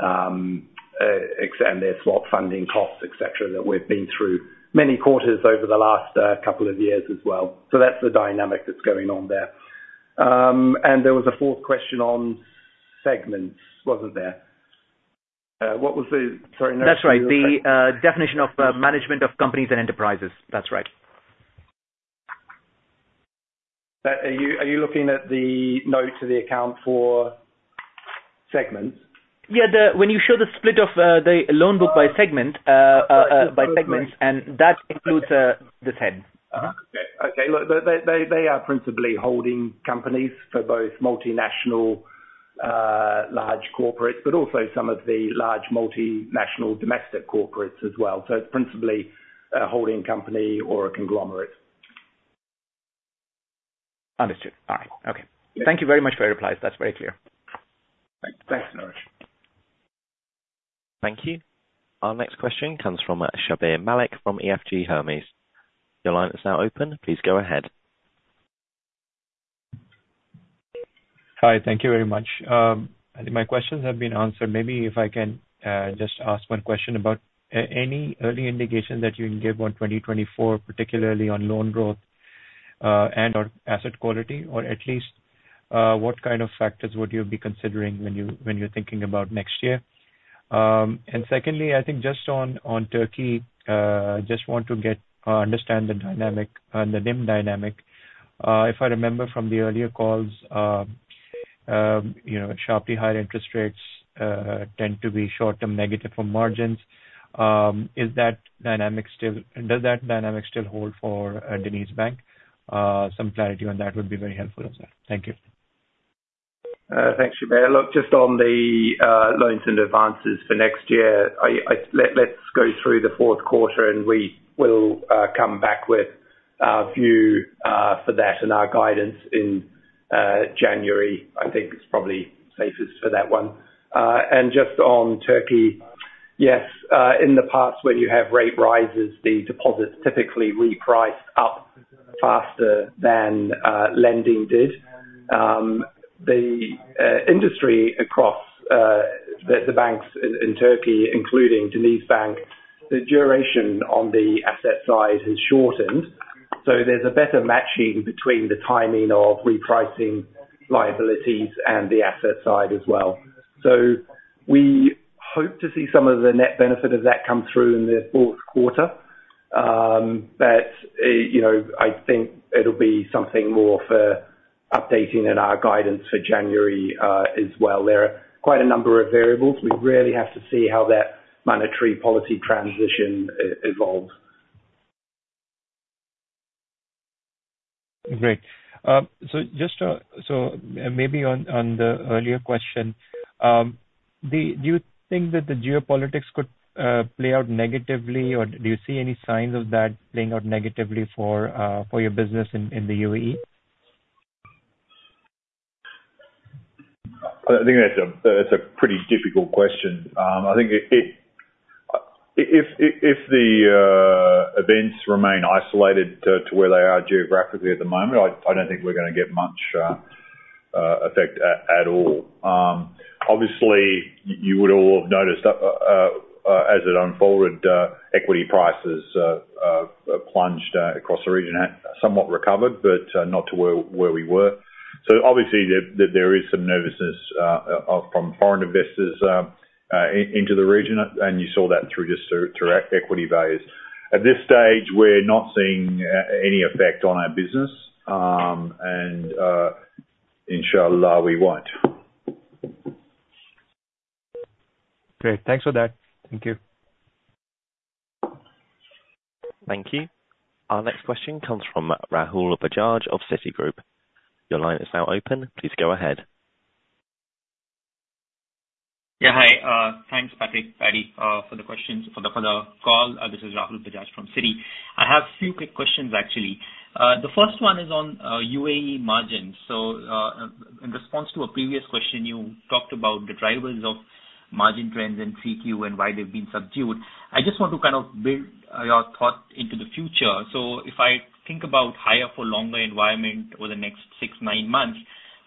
and their swap funding costs, et cetera, that we've been through many quarters over the last couple of years as well. So that's the dynamic that's going on there. There was a fourth question on segments, wasn't there? What was the, Sorry, Naresh. That's right. The definition of management of companies and enterprises. That's right. Are you, are you looking at the notes to the account for segments? Yeah, when you show the split of the loan book by segment, by segments, and that includes the ten. Okay. Okay, look, they are principally holding companies for both multinational, large corporates, but also some of the large multinational domestic corporates as well. So it's principally a holding company or a conglomerate. Understood. All right. Okay. Thank you very much for your replies. That's very clear. Thanks, Naresh. Thank you. Our next question comes from Shabbir Malik, from EFG Hermes. Your line is now open. Please go ahead. Hi, thank you very much. I think my questions have been answered. Maybe if I can just ask one question about any early indication that you can give on 2024, particularly on loan growth and/or asset quality, or at least what kind of factors would you be considering when you, when you're thinking about next year? And secondly, I think just on Turkey, just want to get understand the dynamic on the NIM dynamic. If I remember from the earlier calls, you know, sharply higher interest rates tend to be short-term negative for margins. Is that dynamic still? Does that dynamic still hold for DenizBank? Some clarity on that would be very helpful as well. Thank you. Thanks, Shabbir. Look, just on the loans and advances for next year, let's go through the fourth quarter, and we will come back with our view for that and our guidance in January. I think it's probably safest for that one. And just on Turkey, yes, in the past, when you have rate rises, the deposits typically reprice up faster than lending did. The industry across the banks in Turkey, including DenizBank, the duration on the asset side has shortened, so there's a better matching between the timing of repricing liabilities and the asset side as well. So we hope to see some of the net benefit of that come through in the fourth quarter. But, you know, I think it'll be something more for updating in our guidance for January, as well. There are quite a number of variables. We really have to see how that monetary policy transition evolves. Great. So maybe on the earlier question, do you think that the geopolitics could play out negatively, or do you see any signs of that playing out negatively for your business in the UAE? I think that's a pretty difficult question. I think if the events remain isolated to where they are geographically at the moment, I don't think we're gonna get much effect at all. Obviously, you would all have noticed as it unfolded, equity prices plunged across the region, have somewhat recovered, but not to where we were. So obviously, there is some nervousness from foreign investors into the region, and you saw that just through equity values. At this stage, we're not seeing any effect on our business, and inshallah, we won't. Great. Thanks for that. Thank you. Thank you. Our next question comes from Rahul Bajaj of Citigroup. Your line is now open. Please go ahead. Yeah, hi, thanks, Patrick, Paddy, for the questions, for the call. This is Rahul Bajaj from Citi. I have a few quick questions, actually. The first one is on UAE margins. So, in response to a previous question, you talked about the drivers of margin trends in 3Q and why they've been subdued. I just want to kind of build your thoughts into the future. So if I think about higher for longer environment over the next 6-9 months,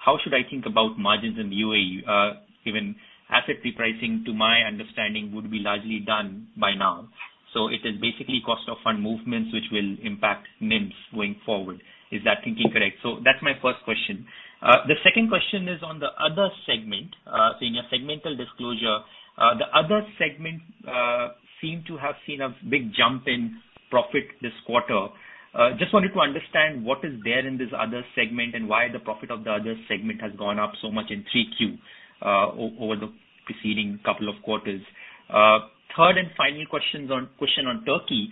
how should I think about margins in the UAE? Given asset repricing, to my understanding, would be largely done by now. So it is basically cost of fund movements, which will impact NIMs going forward. Is that thinking correct? So that's my first question. The second question is on the other segment. So in your segmental disclosure, the other segment seemed to have seen a big jump in profit this quarter. Just wanted to understand what is there in this other segment, and why the profit of the other segment has gone up so much in 3Q, over the preceding couple of quarters. Third and final question on Turkey.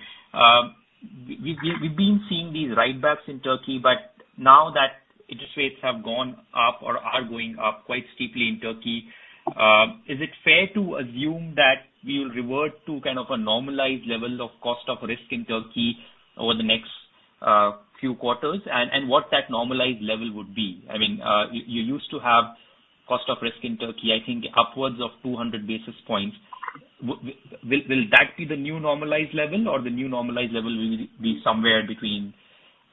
We've been seeing these write backs in Turkey, but now that interest rates have gone up or are going up quite steeply in Turkey, is it fair to assume that we will revert to kind of a normalized level of cost of risk in Turkey over the next few quarters, and what that normalized level would be? I mean, you used to have cost of risk in Turkey, I think upwards of 200 basis points. Will that be the new normalized level or the new normalized level will be somewhere between,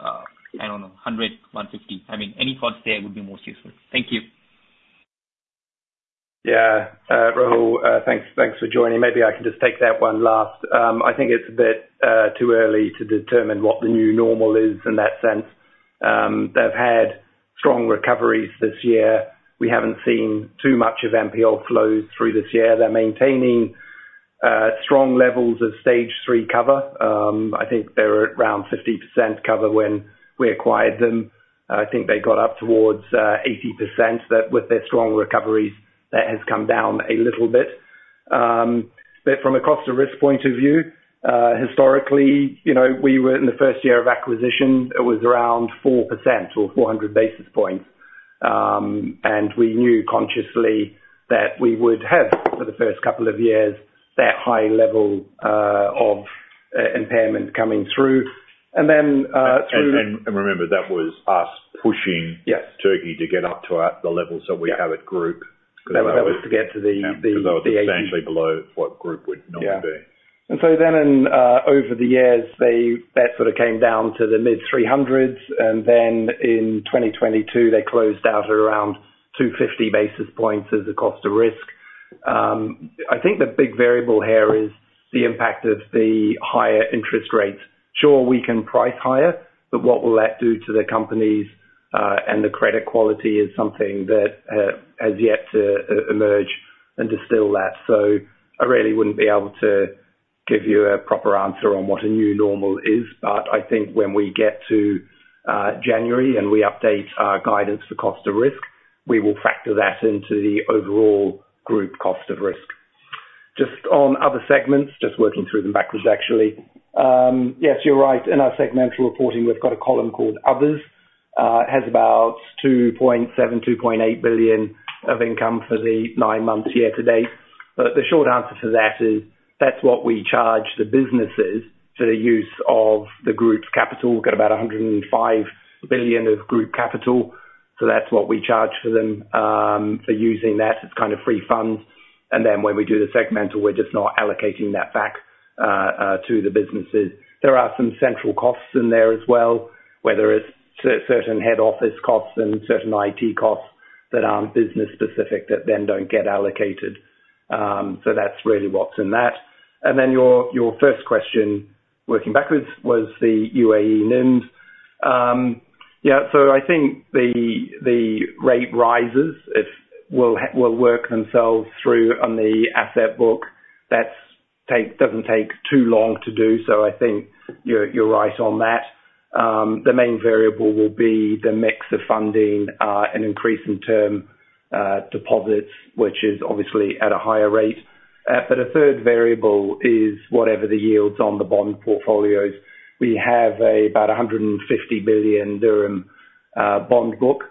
I don't know, 100, 150? I mean, any thoughts there would be most useful. Thank you. Yeah. Rahul, thanks, thanks for joining. Maybe I can just take that one last. I think it's a bit too early to determine what the new normal is in that sense. They've had strong recoveries this year. We haven't seen too much of NPL flows through this year. They're maintaining strong levels of Stage Three cover. I think they're around 50% cover when we acquired them. I think they got up towards 80%. That with their strong recoveries, that has come down a little bit. But from a cost of risk point of view, historically, you know, we were in the first year of acquisition, it was around 4% or 400 basis points. And we knew consciously that we would have, for the first couple of years, that high level of impairment coming through. And then, through- And remember, that was us pushing- Yes. - Turkey to get up to the level, so we have a group. That was to get to the, Because that was essentially below what group would normally be. Yeah. And so then in over the years, they, that sort of came down to the mid-300s, and then in 2022, they closed out at around 250 basis points as a cost of risk. I think the big variable here is the impact of the higher interest rates. Sure, we can price higher, but what will that do to the companies and the credit quality is something that has yet to emerge and distill that. So I really wouldn't be able to give you a proper answer on what a new normal is. But I think when we get to January and we update our guidance for cost of risk, we will factor that into the overall group cost of risk. Just on other segments, just working through them backwards, actually. Yes, you're right. In our segmental reporting, we've got a column called Others. It has about 2.7 billion-2.8 billion of income for the nine months year to date. But the short answer to that is, that's what we charge the businesses for the use of the group's capital. We've got about 105 billion of group capital, so that's what we charge for them, for using that. It's kind of free funds. And then when we do the segmental, we're just not allocating that back to the businesses. There are some central costs in there as well, whether it's certain head office costs and certain IT costs that aren't business specific, that then don't get allocated. So that's really what's in that. And then your first question, working backwards was the UAE NIM. Yeah, so I think the rate rises will work themselves through on the asset book. That doesn't take too long to do, so I think you're right on that. The main variable will be the mix of funding and increase in term deposits, which is obviously at a higher rate. But a third variable is whatever the yields on the bond portfolios. We have about 150 billion dirham bond book.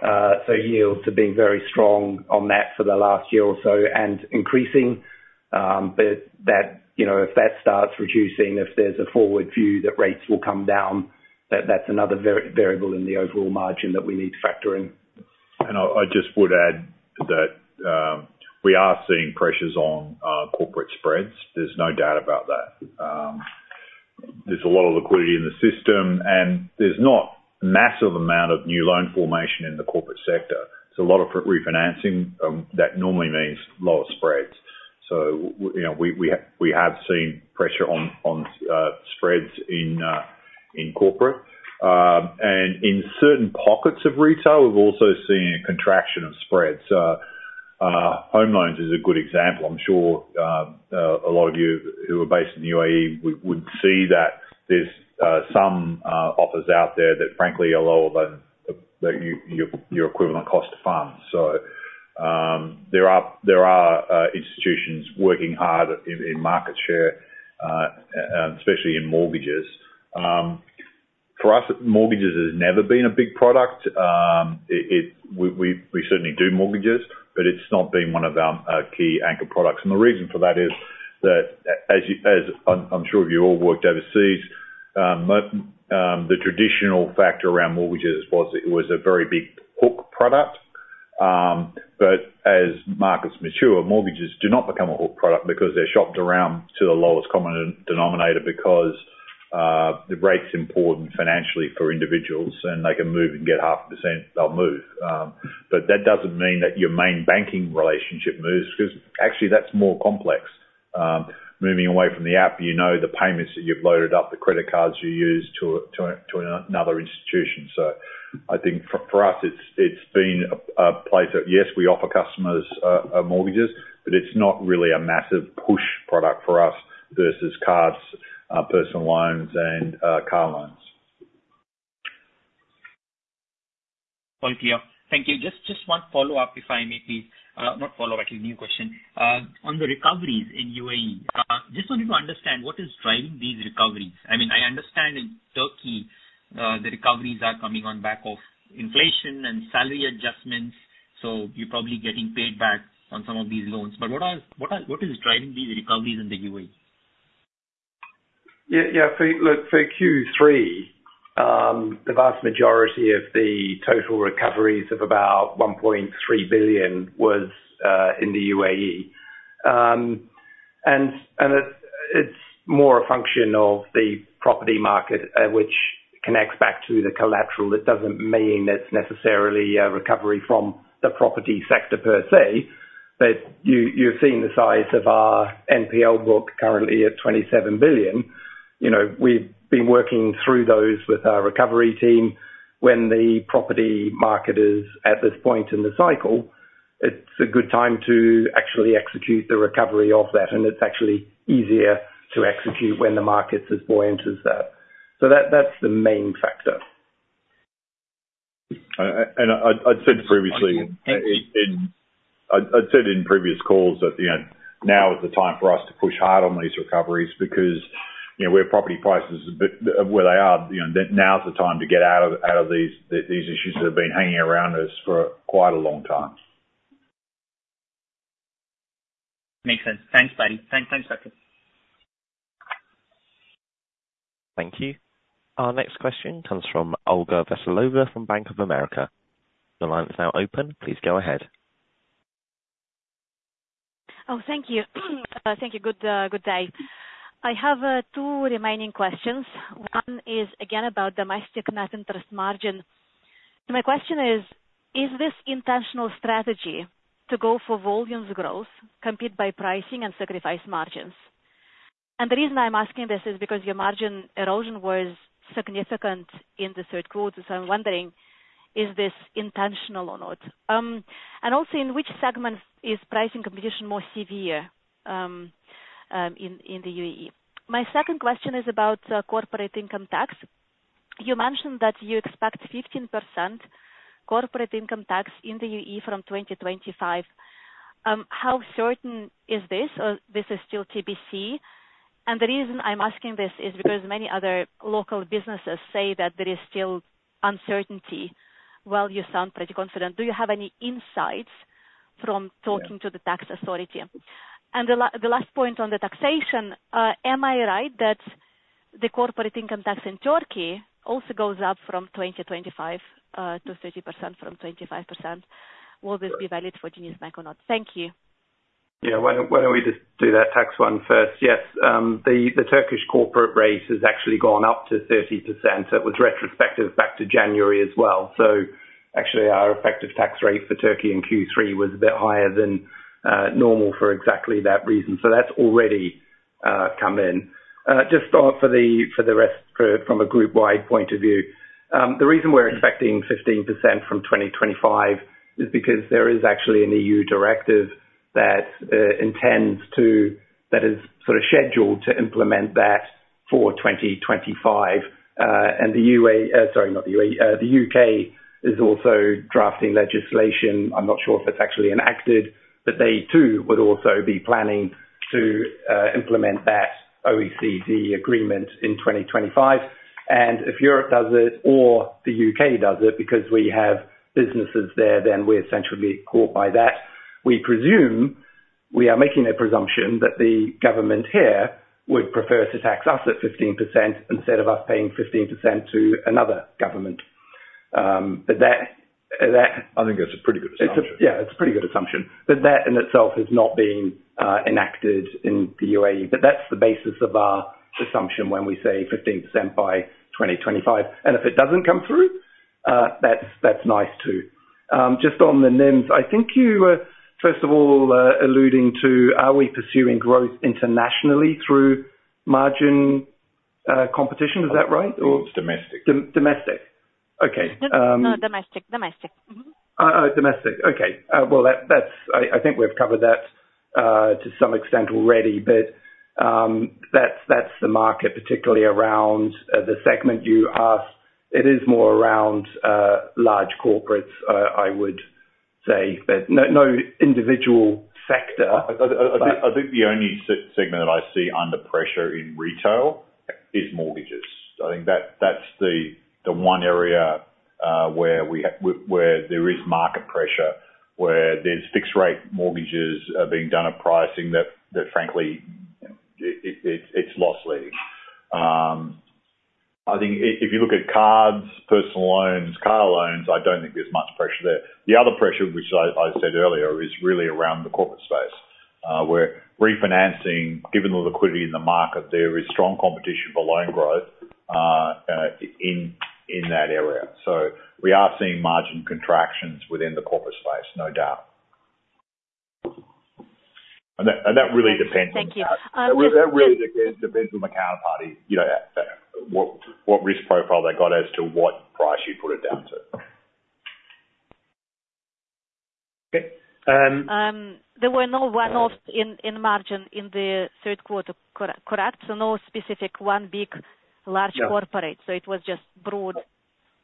So yields have been very strong on that for the last year or so, and increasing. But that, you know, if that starts reducing, if there's a forward view that rates will come down, that's another variable in the overall margin that we need to factor in. I just would add that we are seeing pressures on corporate spreads. There's no doubt about that. There's a lot of liquidity in the system, and there's not massive amount of new loan formation in the corporate sector. There's a lot of refinancing that normally means lower spreads. So you know, we have seen pressure on spreads in corporate. And in certain pockets of retail, we've also seen a contraction of spreads. Home loans is a good example. I'm sure a lot of you who are based in the UAE would see that there's some offers out there that frankly are lower than your equivalent cost to funds. So, there are institutions working hard in market share, and especially in mortgages. For us, mortgages has never been a big product. We certainly do mortgages, but it's not been one of our key anchor products. And the reason for that is, as I'm sure you've all worked overseas, the traditional factor around mortgages was it was a very big hook product. But as markets mature, mortgages do not become a hook product because they're shopped around to the lowest common denominator, because the rate's important financially for individuals, and they can move and get half a percent, they'll move. But that doesn't mean that your main banking relationship moves, 'cause actually that's more complex. Moving away from the app, you know the payments that you've loaded up, the credit cards you use to another institution. So I think for us, it's been a place that, yes, we offer customers mortgages, but it's not really a massive push product for us versus cards, personal loans and car loans. All clear. Thank you. Just one follow-up, if I may, please. Not follow-up, a new question. On the recoveries in UAE, just wanted to understand, what is driving these recoveries? I mean, I understand in Turkey, the recoveries are coming on back of inflation and salary adjustments, so you're probably getting paid back on some of these loans. But what is driving these recoveries in the UAE? Yeah, yeah. So look, for Q3, the vast majority of the total recoveries of about 1.3 billion was in the UAE. And it, it's more a function of the property market, which connects back to the collateral. That doesn't mean it's necessarily a recovery from the property sector per se, but you've seen the size of our NPL book currently at 27 billion. You know, we've been working through those with our recovery team. When the property market is at this point in the cycle, it's a good time to actually execute the recovery of that, and it's actually easier to execute when the market is as buoyant as that. So that, that's the main factor. and I'd said previously- Thank you. I'd said in previous calls that, you know, now is the time for us to push hard on these recoveries because, you know, where property prices are where they are, you know, then now is the time to get out of these issues that have been hanging around us for quite a long time. Makes sense. Thanks, buddy. Thanks, Duncan. Thank you. Our next question comes from Olga Veselova from Bank of America. Your line is now open, please go ahead. Oh, thank you. Thank you. Good day. I have two remaining questions. One is, again, about domestic net interest margin. So my question is, is this intentional strategy to go for volumes growth, compete by pricing and sacrifice margins? And the reason I'm asking this is because your margin erosion was significant in the third quarter. So I'm wondering, is this intentional or not? And also in which segment is pricing competition more severe, in the UAE? My second question is about corporate income tax. You mentioned that you expect 15% corporate income tax in the UAE from 2025. How certain is this, or this is still TBC? And the reason I'm asking this is because many other local businesses say that there is still uncertainty, while you sound pretty confident. Do you have any insights from talking to the tax authority? The last point on the taxation, am I right that the corporate income tax in Turkey also goes up from 2025 to 30% from 25%? Will this be valid for DenizBank or not? Thank you. Yeah. Why don't, why don't we just do that tax one first? Yes, the Turkish corporate rate has actually gone up to 30%. It was retrospective back to January as well. So actually, our effective tax rate for Turkey in Q3 was a bit higher than normal for exactly that reason. So that's already come in. Just on for the rest, from a group wide point of view. The reason we're expecting 15% from 2025, is because there is actually an EU directive that intends to... That is sort of scheduled to implement that for 2025. And the UA, sorry, not the UA, the UK is also drafting legislation. I'm not sure if that's actually enacted, but they, too, would also be planning to implement that OECD agreement in 2025. And if Europe does it or the UK does it, because we have businesses there, then we're essentially caught by that. We presume, we are making a presumption, that the government here would prefer to tax us at 15% instead of us paying 15% to another government. But that, that- I think that's a pretty good assumption. It's a Yeah, it's a pretty good assumption. But that in itself has not been enacted in the UAE. But that's the basis of our assumption when we say 15% by 2025. And if it doesn't come through, that's, that's nice, too. Just on the NIMS, I think you were, first of all, alluding to, are we pursuing growth internationally through margin competition? Is that right, or- It's domestic. Domestic. Okay- No, domestic, domestic. Mm-hmm. Oh, domestic. Okay. Well, that, that's I, I think we've covered that to some extent already, but, that's, that's the market, particularly around the segment you asked. It is more around large corporates, I would say, but no, no individual sector. I think the only segment that I see under pressure in retail is mortgages. I think that's the one area where there is market pressure, where there's fixed rate mortgages being done at pricing that frankly it's loss-leading. I think if you look at cards, personal loans, car loans, I don't think there's much pressure there. The other pressure, which I said earlier, is really around the corporate space where refinancing, given the liquidity in the market, there is strong competition for loan growth in that area. So we are seeing margin contractions within the corporate space, no doubt. And that really depends on- Thank you. That really depends on the counterparty, you know, what, what risk profile they got as to what price you put it down to. Okay, um- There were no one-offs in margin in the third quarter, correct? So no specific one big, large corporate. Yeah. So it was just broad.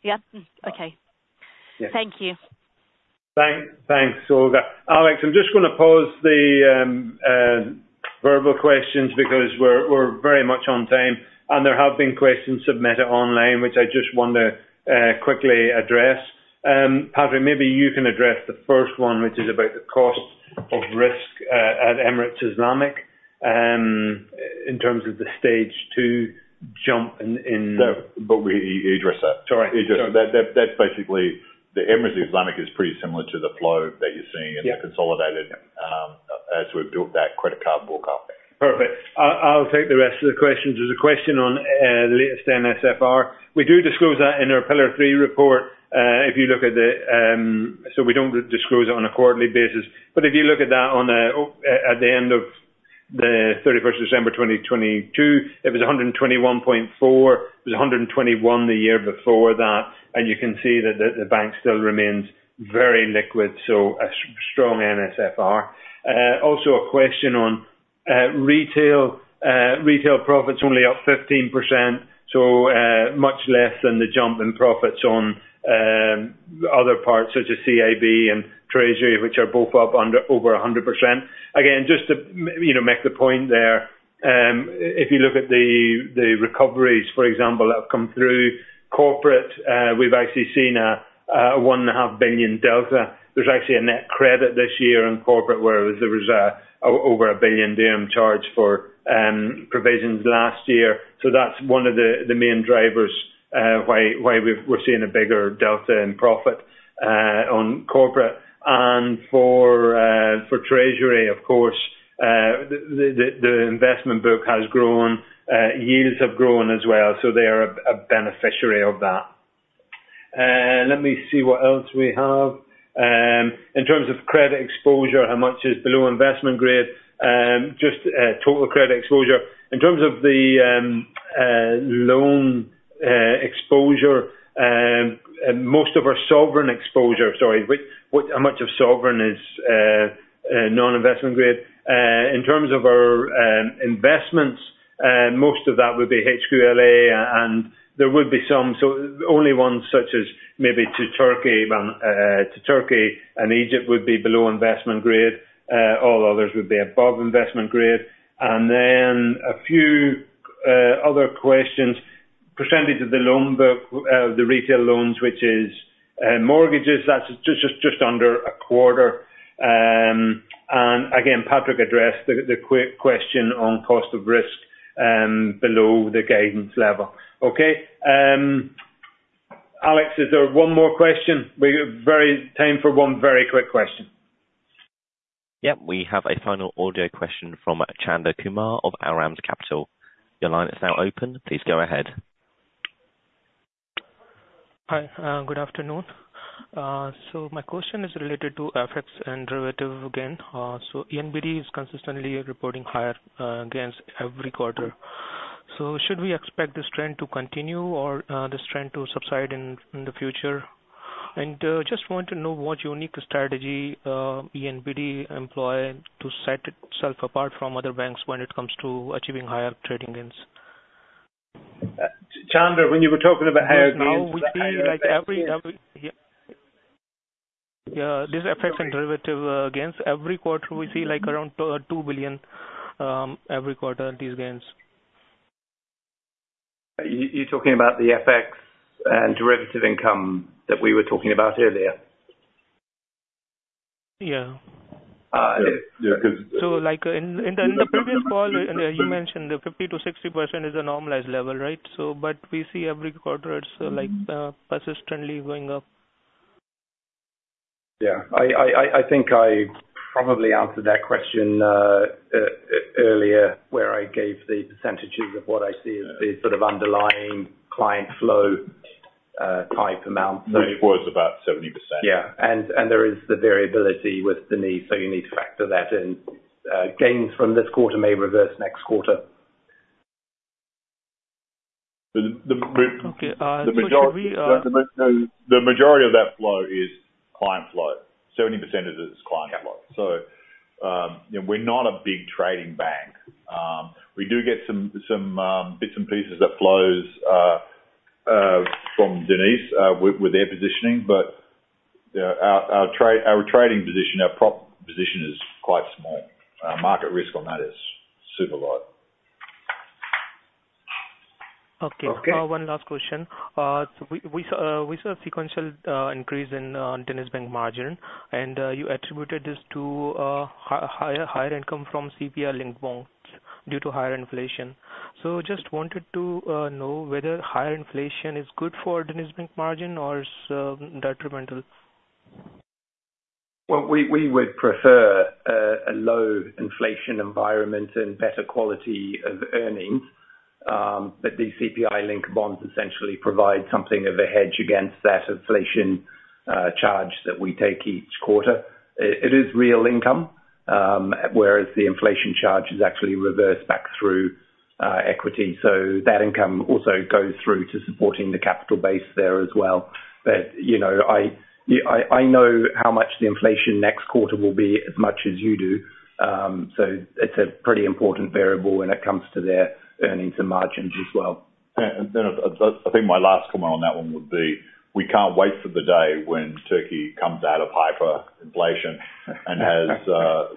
Yeah? Mm-hmm. Okay. Yes. Thank you. Thanks, Olga. Alex, I'm just gonna pose the verbal questions because we're very much on time, and there have been questions submitted online, which I just want to quickly address. Paddy, maybe you can address the first one, which is about the cost of risk at Emirates Islamic in terms of the Stage Two jump in. So, but we address that. Sorry. That's basically... The Emirates Islamic is pretty similar to the flow that you're seeing- Yeah in the consolidated, as we've built that credit card book up. Perfect. I'll take the rest of the questions. There's a question on the latest NSFR. We do disclose that in our Pillar Three report. If you look at the... So we don't disclose it on a quarterly basis, but if you look at that on a, at the end of the 31st of December 2022, it was 121.4. It was 121 the year before that, and you can see that the bank still remains very liquid, so a strong NSFR. Also a question on retail. Retail profit's only up 15%, so much less than the jump in profits on other parts, such as CIB and Treasury, which are both up over 100%. Again, just to, you know, make the point there, if you look at the recoveries, for example, that have come through Corporate, we've actually seen a 1.5 billion delta. There's actually a net credit this year in Corporate, where there was over a billion DM charge for provisions last year. So that's one of the main drivers, why we're seeing a bigger delta in profit, on Corporate. And for Treasury, of course, the investment book has grown. Yields have grown as well, so they are a beneficiary of that. Let me see what else we have. In terms of credit exposure, how much is below investment grade? Just total credit exposure. In terms of the loan exposure, most of our sovereign exposure—Sorry, which, what, how much of sovereign is non-investment grade? In terms of our investments, most of that would be HQLA, and there would be some... So only ones such as maybe to Turkey to Turkey and Egypt would be below investment grade. All others would be above investment grade. And then a few other questions. Percentage of the loan book, the retail loans, which is mortgages. That's just under a quarter. And again, Patrick addressed the question on cost of risk, below the guidance level. Okay, Alex, is there one more question? We have time for one very quick question. Yep, we have a final audio question from Chandra Kumar of Aram Capital. Your line is now open, please go ahead. Hi, good afternoon. So my question is related to FX and derivative gain. So NBD is consistently reporting higher gains every quarter. So should we expect this trend to continue or this trend to subside in the future? And just want to know what unique strategy NBD employ to set itself apart from other banks when it comes to achieving higher trading gains. Chandra, when you were talking about higher gains- Now, we see, like, every... Yeah. Yeah, this affects on derivative gains. Every quarter, we see, like, around 2 billion every quarter, these gains. You're talking about the FX and derivative income that we were talking about earlier? Yeah. Yeah, because- So, like, in the previous call, you mentioned the 50%-60% is a normalized level, right? So but we see every quarter, it's like, persistently going up. Yeah. I think I probably answered that question earlier, where I gave the percentages of what I see as the sort of underlying client flow type amount. It was about 70%. Yeah. And there is the variability with DenizBank, so you need to factor that in. Gains from this quarter may reverse next quarter. The, the, the- Okay, so should we? The majority of that flow is client flow. 70% of it is client flow. Yeah. You know, we're not a big trading bank. We do get some bits and pieces of flows from DenizBank with their positioning. But our trade, our trading position, our prop position is quite small. Our market risk on that is super low. Okay. Okay? One last question. So we saw a sequential increase in DenizBank margin, and you attributed this to higher income from CPI-linked bonds due to higher inflation. So just wanted to know whether higher inflation is good for DenizBank margin or is detrimental? Well, we would prefer a low inflation environment and better quality of earnings, but these CPI-linked bonds essentially provide something of a hedge against that inflation charge that we take each quarter. It is real income, whereas the inflation charge is actually reversed back through equity. So that income also goes through to supporting the capital base there as well. But, you know, I know how much the inflation next quarter will be as much as you do. So it's a pretty important variable when it comes to their earnings and margins as well. Yeah, and I think my last comment on that one would be: We can't wait for the day when Turkey comes out of hyperinflation and has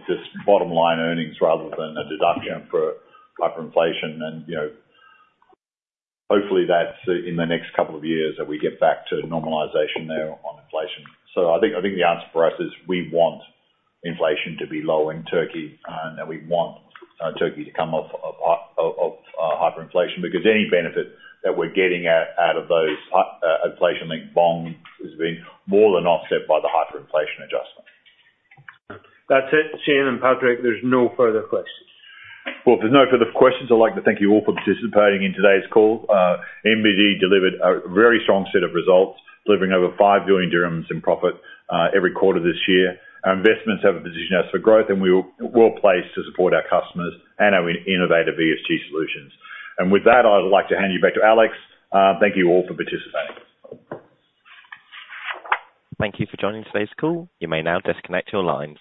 just bottom line earnings rather than a deduction for hyperinflation. And, you know, hopefully, that's in the next couple of years, that we get back to normalization there on inflation. So I think the answer for us is, we want inflation to be low in Turkey, and we want Turkey to come off of hyperinflation, because any benefit that we're getting out of those inflation-linked bonds has been more than offset by the hyperinflation adjustment. That's it, Shayne and Patrick, there's no further questions. Well, if there's no further questions, I'd like to thank you all for participating in today's call. NBD delivered a very strong set of results, delivering over 5 billion dirhams in profit every quarter this year. Our investments have positioned us for growth, and we are well placed to support our customers and our innovative ESG solutions. With that, I'd like to hand you back to Alex. Thank you all for participating. Thank you for joining today's call. You may now disconnect your lines.